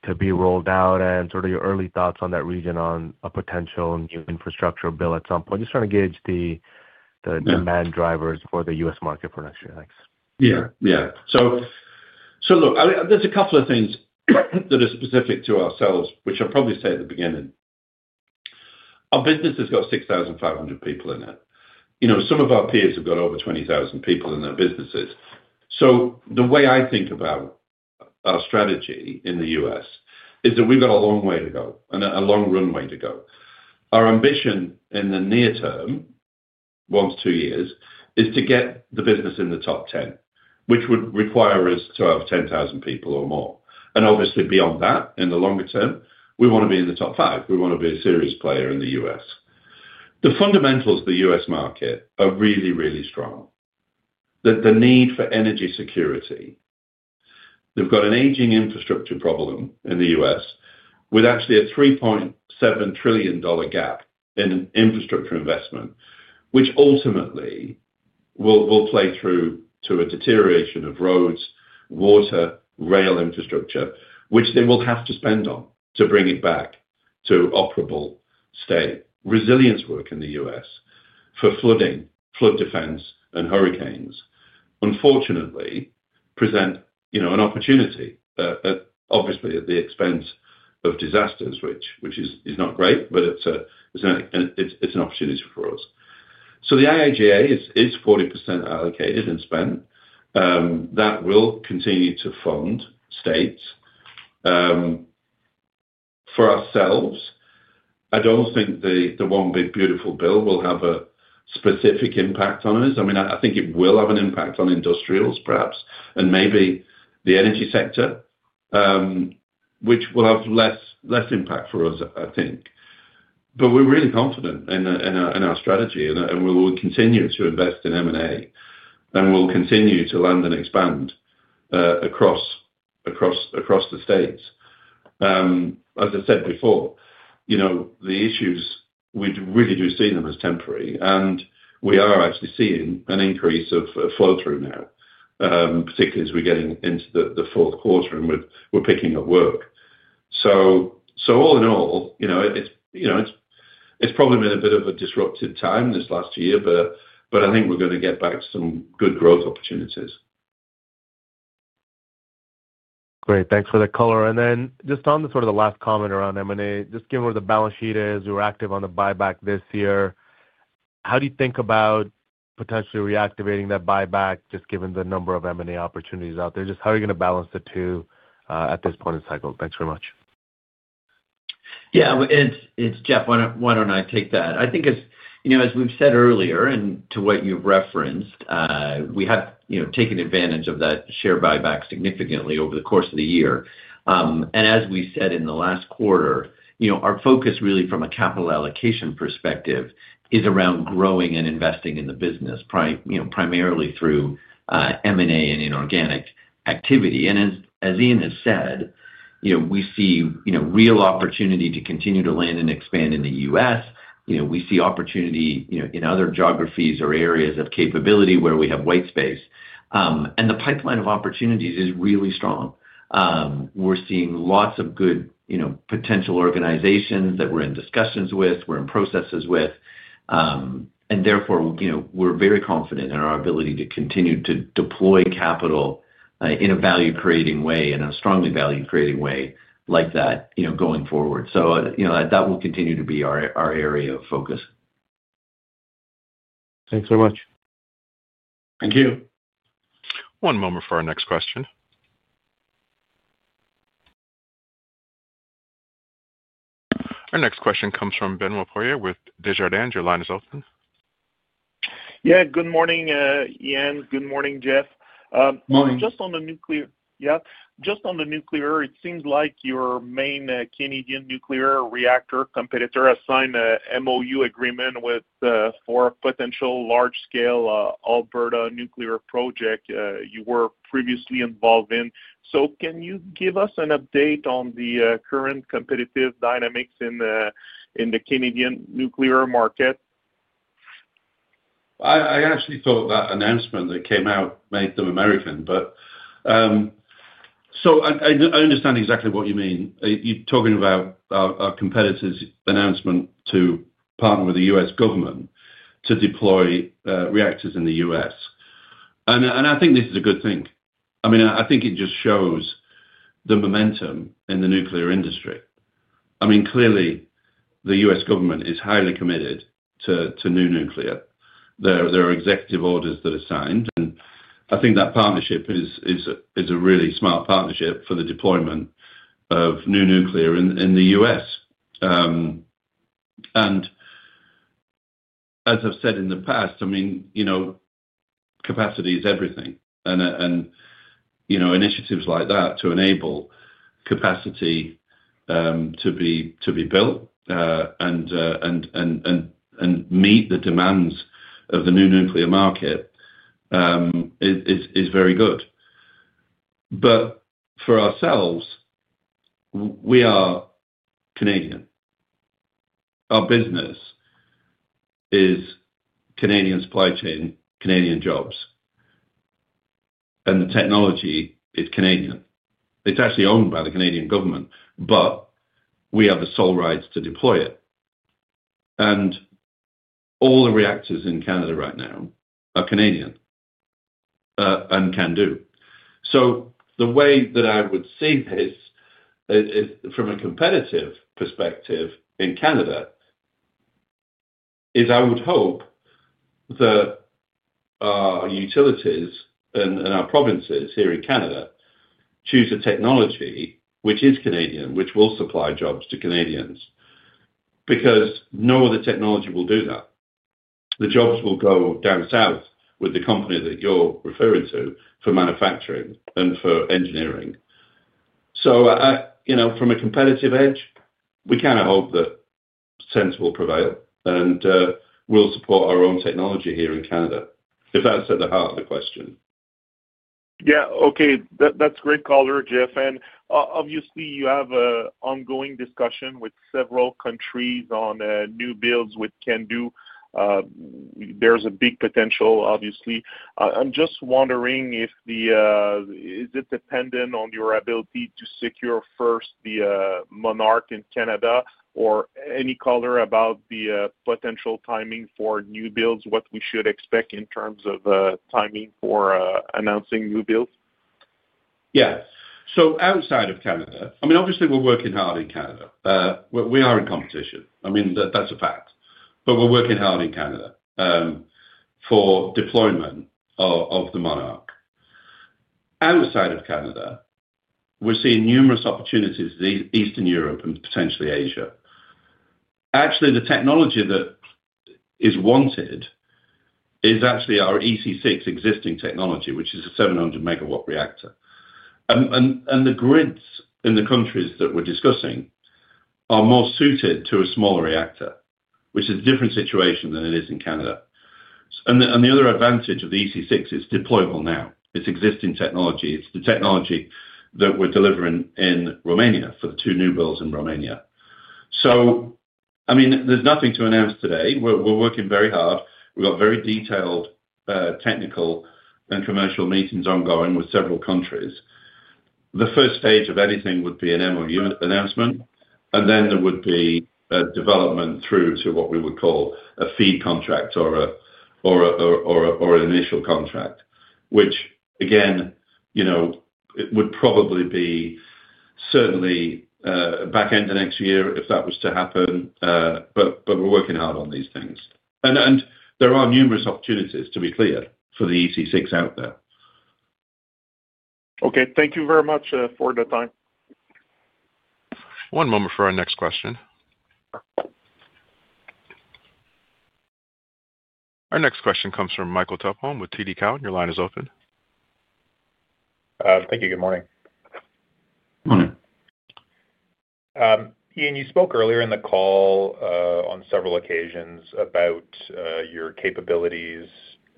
to be rolled out and sort of your early thoughts on that region on a potential new infrastructure bill at some point? Just trying to gauge the demand drivers for the U.S. market for next year. Thanks. Yeah. Yeah. Look, there's a couple of things that are specific to ourselves, which I'll probably say at the beginning. Our business has got 6,500 people in it. Some of our peers have got over 20,000 people in their businesses. The way I think about our strategy in the U.S. is that we've got a long way to go and a long runway to go. Our ambition in the near term, once two years, is to get the business in the top 10, which would require us to have 10,000 people or more. Obviously, beyond that, in the longer term, we want to be in the top five. We want to be a serious player in the US. The fundamentals of the U.S. market are really, really strong. The need for energy security. They've got an aging infrastructure problem in the U.S. with actually a $3.7 trillion gap in infrastructure investment, which ultimately will play through to a deterioration of roads, water, rail infrastructure, which they will have to spend on to bring it back to operable state. Resilience work in the U.S. for flooding, flood defense, and hurricanes, unfortunately, present an opportunity, obviously, at the expense of disasters, which is not great, but it's an opportunity for us. The IIJA is 40% allocated and spent. That will continue to fund states. For ourselves, I don't think the one big beautiful bill will have a specific impact on us. I mean, I think it will have an impact on industrials, perhaps, and maybe the energy sector, which will have less impact for us, I think. We're really confident in our strategy, and we will continue to invest in M&A, and we'll continue to land and expand across the states. As I said before, the issues, we really do see them as temporary. We are actually seeing an increase of flow-through now, particularly as we're getting into the fourth quarter and we're picking up work. All in all, it's probably been a bit of a disruptive time this last year, but I think we're going to get back to some good growth opportunities. Great. Thanks for the color. Just on sort of the last comment around M&A, just given where the balance sheet is, we were active on the buyback this year. How do you think about potentially reactivating that buyback, just given the number of M&A opportunities out there? Just how are you going to balance the two at this point in cycle? Thanks very much. Yeah. It's Jeff. Why don't I take that? I think as we've said earlier and to what you've referenced, we have taken advantage of that share buyback significantly over the course of the year. As we said in the last quarter, our focus really from a capital allocation perspective is around growing and investing in the business, primarily through M&A and inorganic activity. As Ian has said, we see real opportunity to continue to land and expand in the US. We see opportunity in other geographies or areas of capability where we have white space. The pipeline of opportunities is really strong. We're seeing lots of good potential organizations that we're in discussions with, we're in processes with. Therefore, we're very confident in our ability to continue to deploy capital in a value-creating way and a strongly value-creating way like that going forward. That will continue to be our area of focus. Thanks very much. Thank you. One moment for our next question. Our next question comes from Ben Walpolear with Desjardins. Your line is open. Yeah. Good morning, Ian. Good morning, Jeff. Morning. Just on the nuclear, yeah. Just on the nuclear, it seems like your main Canadian nuclear reactor competitor has signed an MOU agreement for a potential large-scale Alberta nuclear project you were previously involved in. Can you give us an update on the current competitive dynamics in the Canadian nuclear market? I actually thought that announcement that came out made them American. I understand exactly what you mean. You're talking about our competitor's announcement to partner with the U.S. government to deploy reactors in the US. I think this is a good thing. I mean, I think it just shows the momentum in the nuclear industry. I mean, clearly, the U.S. government is highly committed to new nuclear. There are executive orders that are signed. I think that partnership is a really smart partnership for the deployment of new nuclear in the US. As I've said in the past, I mean, capacity is everything. Initiatives like that to enable capacity to be built and meet the demands of the new nuclear market is very good. For ourselves, we are Canadian. Our business is Canadian supply chain, Canadian jobs. The technology is Canadian. It's actually owned by the Canadian government, but we have the sole rights to deploy it. All the reactors in Canada right now are Canadian and CANDU. The way that I would see this from a competitive perspective in Canada is I would hope that our utilities and our provinces here in Canada choose a technology which is Canadian, which will supply jobs to Canadians because no other technology will do that. The jobs will go down south with the company that you're referring to for manufacturing and for engineering. From a competitive edge, we kind of hope that sense will prevail and we'll support our own technology here in Canada, if that's at the heart of the question. Yeah. Okay. That's great color, Jeff. Obviously, you have an ongoing discussion with several countries on new builds with CANDU. There's a big potential, obviously. I'm just wondering if the, is it dependent on your ability to secure first the Monarch in Canada or any color about the potential timing for new builds, what we should expect in terms of timing for announcing new builds? Yeah. Outside of Canada, I mean, obviously, we're working hard in Canada. We are in competition. I mean, that's a fact. We're working hard in Canada for deployment of the Monarch. Outside of Canada, we're seeing numerous opportunities in Eastern Europe and potentially Asia. Actually, the technology that is wanted is actually our EC6 existing technology, which is a 700-megawatt reactor. The grids in the countries that we're discussing are more suited to a smaller reactor, which is a different situation than it is in Canada. The other advantage of the EC6 is deployable now. It's existing technology. It's the technology that we're delivering in Romania for the two new builds in Romania. I mean, there's nothing to announce today. We're working very hard. We've got very detailed technical and commercial meetings ongoing with several countries. The first stage of anything would be an MOU announcement, and then there would be a development through to what we would call a feed contract or an initial contract, which, again, it would probably be certainly back end of next year if that was to happen. We are working hard on these things. There are numerous opportunities, to be clear, for the EC6 out there. Okay. Thank you very much for the time. One moment for our next question. Our next question comes from Michael Tupholme with TD Cowen. Your line is open. Thank you. Good morning. Morning. Ian, you spoke earlier in the call on several occasions about your capabilities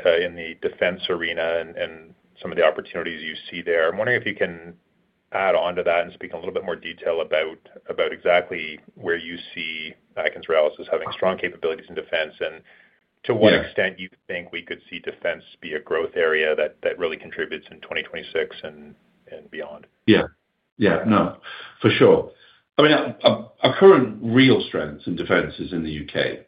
in the defense arena and some of the opportunities you see there. I'm wondering if you can add on to that and speak in a little bit more detail about exactly where you see AtkinsRéalis as having strong capabilities in defense and to what extent you think we could see defense be a growth area that really contributes in 2026 and beyond. Yeah. Yeah. No. For sure. I mean, our current real strength in defense is in the U.K.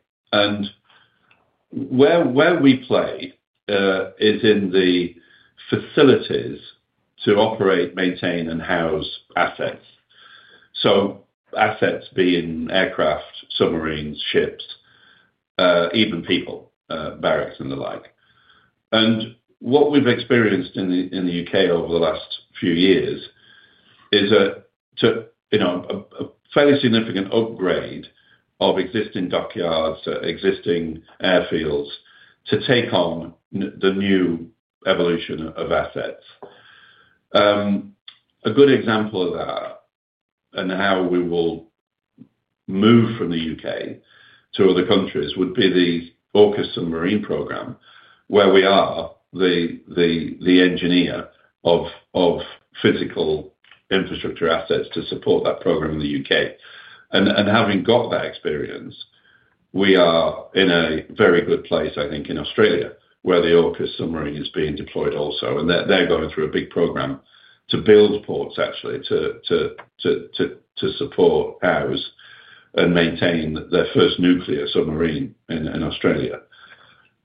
Where we play is in the facilities to operate, maintain, and house assets. Assets being aircraft, submarines, ships, even people, barracks, and the like. What we've experienced in the U.K. over the last few years is a fairly significant upgrade of existing dockyards, existing airfields to take on the new evolution of assets. A good example of that and how we will move from the U.K. to other countries would be the Orcus Submarine program, where we are the engineer of physical infrastructure assets to support that program in the U.K. Having got that experience, we are in a very good place, I think, in Australia where the Orcus Submarine is being deployed also. They are going through a big program to build ports, actually, to support, house, and maintain their first nuclear submarine in Australia.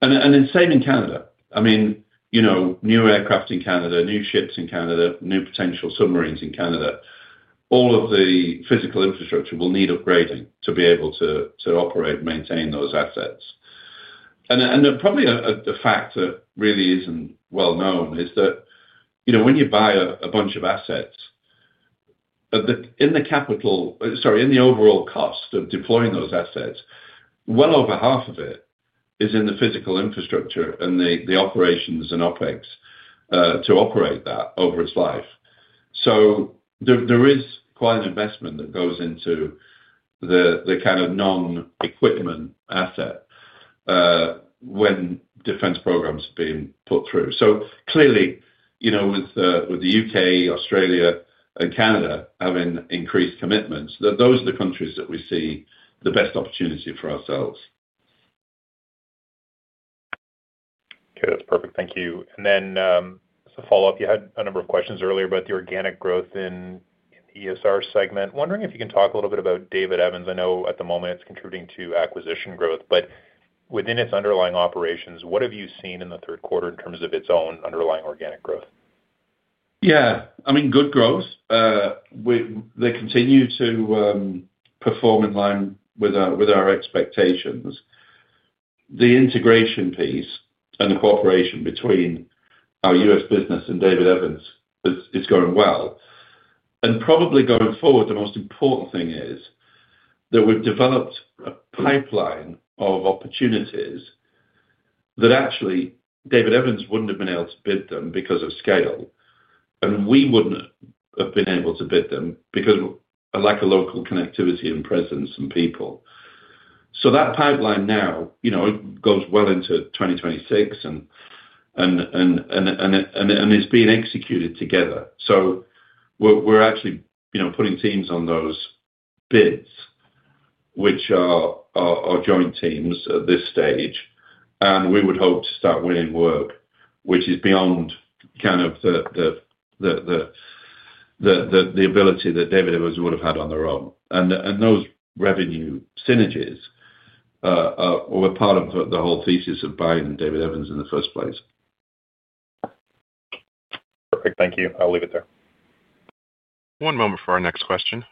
Same in Canada. I mean, new aircraft in Canada, new ships in Canada, new potential submarines in Canada, all of the physical infrastructure will need upgrading to be able to operate and maintain those assets. Probably a fact that really is not well known is that when you buy a bunch of assets, in the capital, sorry, in the overall cost of deploying those assets, well over half of it is in the physical infrastructure and the operations and OpEx to operate that over its life. There is quite an investment that goes into the kind of non-equipment asset when defense programs are being put through. Clearly, with the U.K., Australia, and Canada having increased commitments, those are the countries that we see the best opportunity for ourselves. Okay. That is perfect. Thank you. As a follow-up, you had a number of questions earlier about the organic growth in the ESR segment. Wondering if you can talk a little bit about David Evans. I know at the moment it is contributing to acquisition growth. Within its underlying operations, what have you seen in the third quarter in terms of its own underlying organic growth? Yeah. I mean, good growth. They continue to perform in line with our expectations. The integration piece and the cooperation between our U.S. business and David Evans is going well. Probably going forward, the most important thing is that we've developed a pipeline of opportunities that actually David Evans would not have been able to bid because of scale. We would not have been able to bid them because of lack of local connectivity and presence and people. That pipeline now goes well into 2026 and is being executed together. We are actually putting teams on those bids, which are joint teams at this stage. We would hope to start winning work, which is beyond kind of the ability that David Evans would have had on their own. Those revenue synergies were part of the whole thesis of buying David Evans in the first place. Perfect. Thank you. I'll leave it there. One moment for our next question.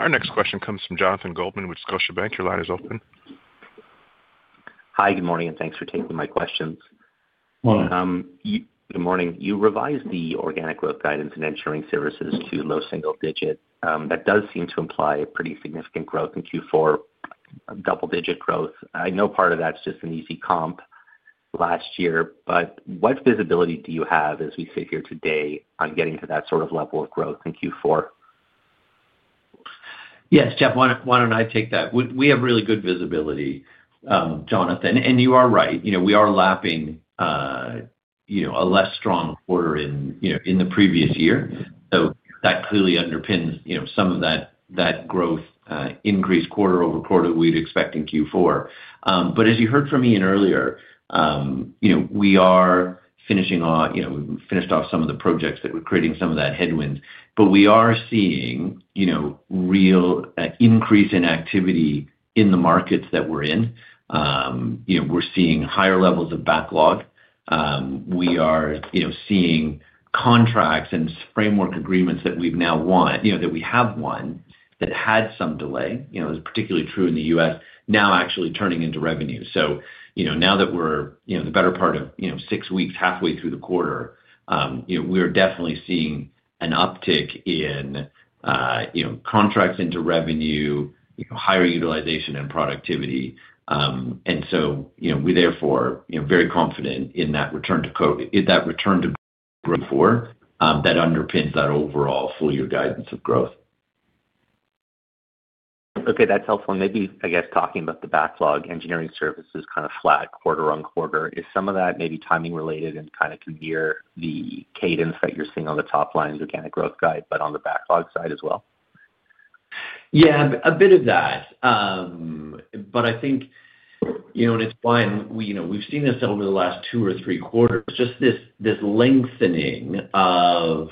Our next question comes from Jonathan Goldman with Scotiabank. Your line is open. Hi. Good morning. And thanks for taking my questions. Good morning. Good morning. You revised the organic growth guidance in engineering services to low single digit. That does seem to imply a pretty significant growth in Q4, double-digit growth. I know part of that's just an easy comp last year. What visibility do you have, as we sit here today, on getting to that sort of level of growth in Q4? Yes, Jeff, why don't I take that? We have really good visibility, Jonathan. You are right. We are lapping a less strong quarter in the previous year. That clearly underpins some of that growth, increased quarter over quarter we'd expect in Q4. As you heard from Ian earlier, we are finishing off some of the projects that were creating some of that headwind. We are seeing real increase in activity in the markets that we're in. We're seeing higher levels of backlog. We are seeing contracts and framework agreements that we've now won that had some delay. It was particularly true in the US, now actually turning into revenue. Now that we're the better part of six weeks halfway through the quarter, we are definitely seeing an uptick in contracts into revenue, higher utilization, and productivity. We therefore are very confident in that return to growth that underpins that overall full-year guidance of growth. Okay. That's helpful. Maybe, I guess, talking about the backlog, engineering services is kind of flat quarter on quarter. Is some of that maybe timing related and can it mirror the cadence that you're seeing on the top line's organic growth guide, but on the backlog side as well? Yeah. A bit of that. I think, and it's why we've seen this over the last two or three quarters, just this lengthening of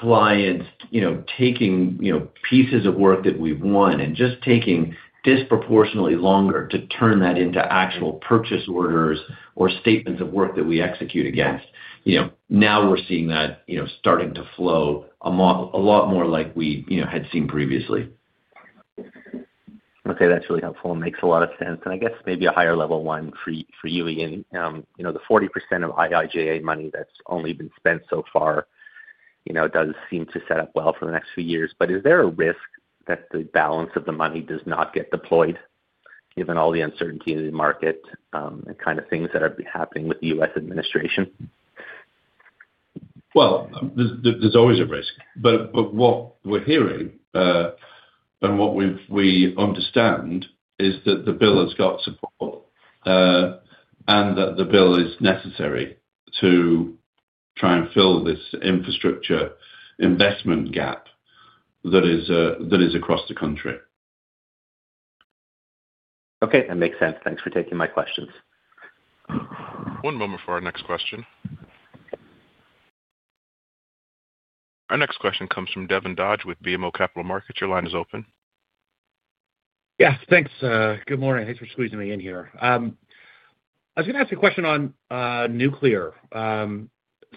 clients taking pieces of work that we've won and just taking disproportionately longer to turn that into actual purchase orders or statements of work that we execute against. Now we're seeing that starting to flow a lot more like we had seen previously. Okay. That's really helpful. It makes a lot of sense. I guess maybe a higher level one for you, Ian, the 40% of IIJA money that's only been spent so far does seem to set up well for the next few years. Is there a risk that the balance of the money does not get deployed, given all the uncertainty in the market and kind of things that are happening with the U.S. administration? There is always a risk. What we are hearing and what we understand is that the bill has got support and that the bill is necessary to try and fill this infrastructure investment gap that is across the country. Okay. That makes sense. Thanks for taking my questions. One moment for our next question. Our next question comes from Devin Dodge with BMO Capital Markets. Your line is open. Yes. Thanks. Good morning. Thanks for squeezing me in here. I was going to ask a question on nuclear.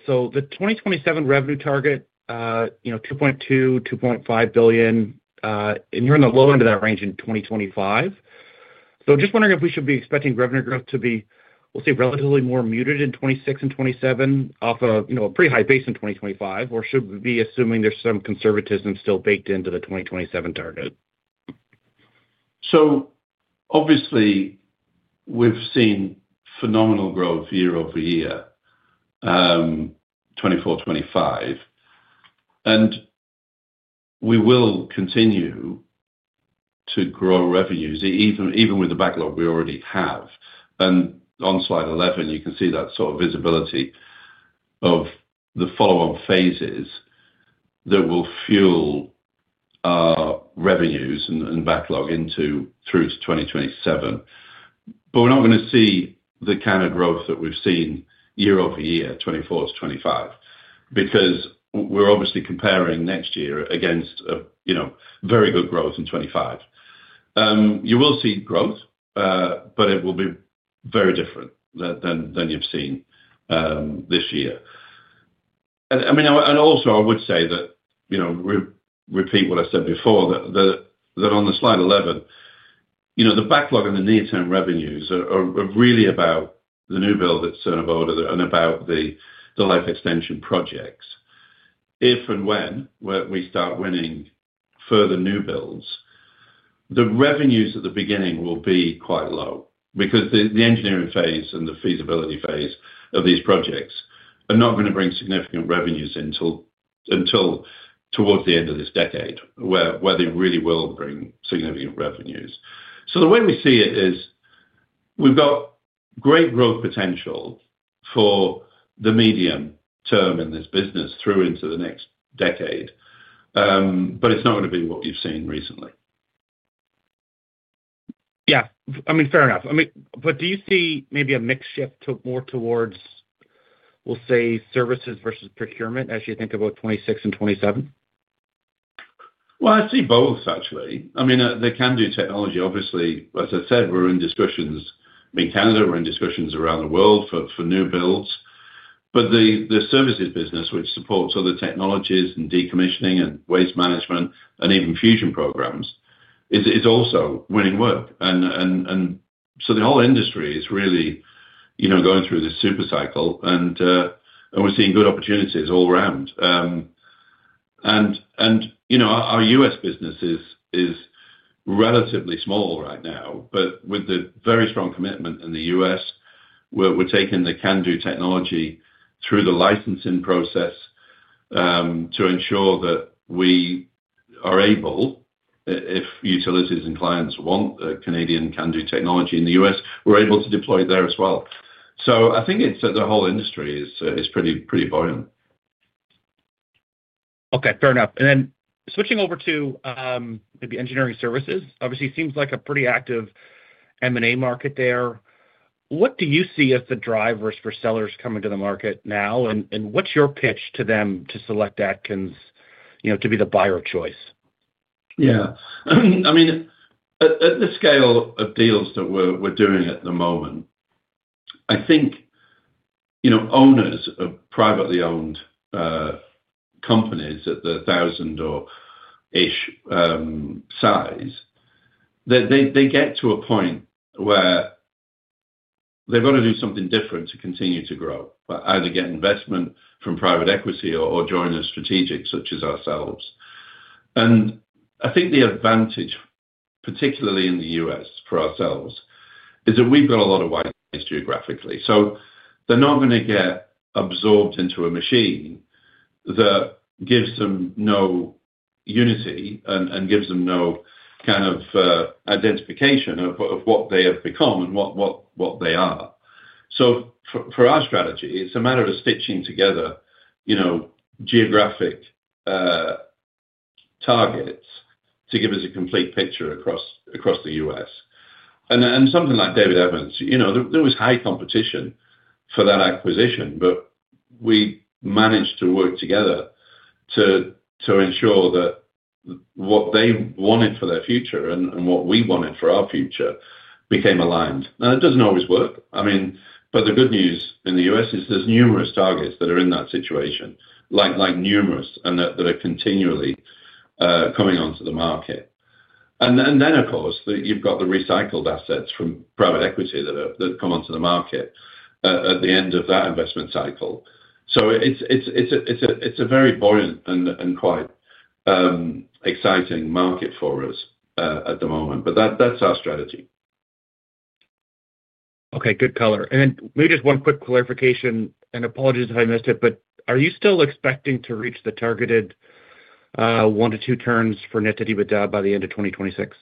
The 2027 revenue target, $2.2 billion-$2.5 billion, and you're in the low end of that range in 2025. Just wondering if we should be expecting revenue growth to be, we'll say, relatively more muted in 2026 and 2027 off of a pretty high base in 2025, or should we be assuming there's some conservatism still baked into the 2027 target? Obviously, we've seen phenomenal growth year-over-year, 2024, 2025. We will continue to grow revenues, even with the backlog we already have. On slide 11, you can see that sort of visibility of the follow-up phases that will fuel revenues and backlog through to 2027. We're not going to see the kind of growth that we've seen year-over-year, 2024 to 2025, because we're obviously comparing next year against very good growth in 2025. You will see growth, but it will be very different than you've seen this year. I would also say, to repeat what I said before, that on slide 11, the backlog and the near-term revenues are really about the new build at Cernavodă and about the life extension projects. If and when we start winning further new builds, the revenues at the beginning will be quite low because the engineering phase and the feasibility phase of these projects are not going to bring significant revenues until towards the end of this decade, where they really will bring significant revenues. The way we see it is we've got great growth potential for the medium term in this business through into the next decade, but it's not going to be what you've seen recently. I mean, fair enough. Do you see maybe a mix shift more towards, we'll say, services versus procurement as you think about 2026 and 2027? I see both, actually. I mean, the CANDU technology, obviously, as I said, we're in discussions in Canada. We're in discussions around the world for new builds. The services business, which supports other technologies and decommissioning and waste management and even fusion programs, is also winning work. The whole industry is really going through this supercycle, and we're seeing good opportunities all around. Our U.S. business is relatively small right now. With the very strong commitment in the US, we're taking the CANDU technology through the licensing process to ensure that we are able, if utilities and clients want the Canadian CANDU technology in the US, we're able to deploy it there as well. I think it's that the whole industry is pretty buoyant. Okay. Fair enough. Switching over to maybe engineering services, obviously seems like a pretty active M&A market there. What do you see as the drivers for sellers coming to the market now? What's your pitch to them to select AtkinsRéalis to be the buyer of choice? Yeah. I mean, at the scale of deals that we're doing at the moment, I think owners of privately owned companies at the thousand-ish size, they get to a point where they've got to do something different to continue to grow, either get investment from private equity or join a strategic such as ourselves. I think the advantage, particularly in the U.S.. for ourselves, is that we've got a lot of white space geographically. They are not going to get absorbed into a machine that gives them no unity and gives them no kind of identification of what they have become and what they are. For our strategy, it's a matter of stitching together geographic targets to give us a complete picture across the US. Something like David Evans, there was high competition for that acquisition, but we managed to work together to ensure that what they wanted for their future and what we wanted for our future became aligned. It does not always work. I mean, the good news in the U.S is there are numerous targets that are in that situation, like numerous, and that are continually coming onto the market. Of course, you have the recycled assets from private equity that come onto the market at the end of that investment cycle. It is a very buoyant and quite exciting market for us at the moment. That is our strategy. Okay. Good color. Maybe just one quick clarification, and apologies if I missed it, but are you still expecting to reach the targeted one to two turns for net debt by the end of 2026?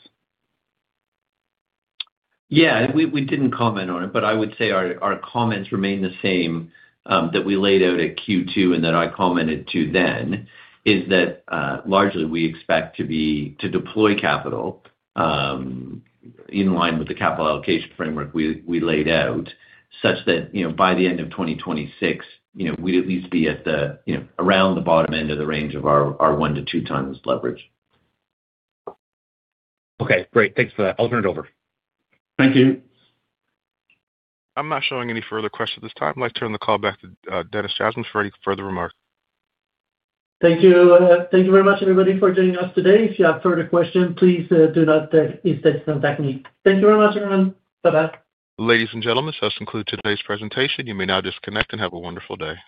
Yeah. We did not comment on it, but I would say our comments remain the same that we laid out at Q2 and that I commented to then, is that largely we expect to deploy capital in line with the capital allocation framework we laid out such that by the end of 2026, we would at least be around the bottom end of the range of our one to two times leverage. Okay. Great. Thanks for that. I will turn it over. Thank you. I am not showing any further questions at this time. I would like to turn the call back to Denis Jasmin for any further remarks. Thank you. Thank you very much, everybody, for joining us today. If you have further questions, please do not hesitate to contact me. Thank you very much, everyone. Bye-bye. Ladies and gentlemen, this concludes today's presentation. You may now disconnect and have a wonderful day.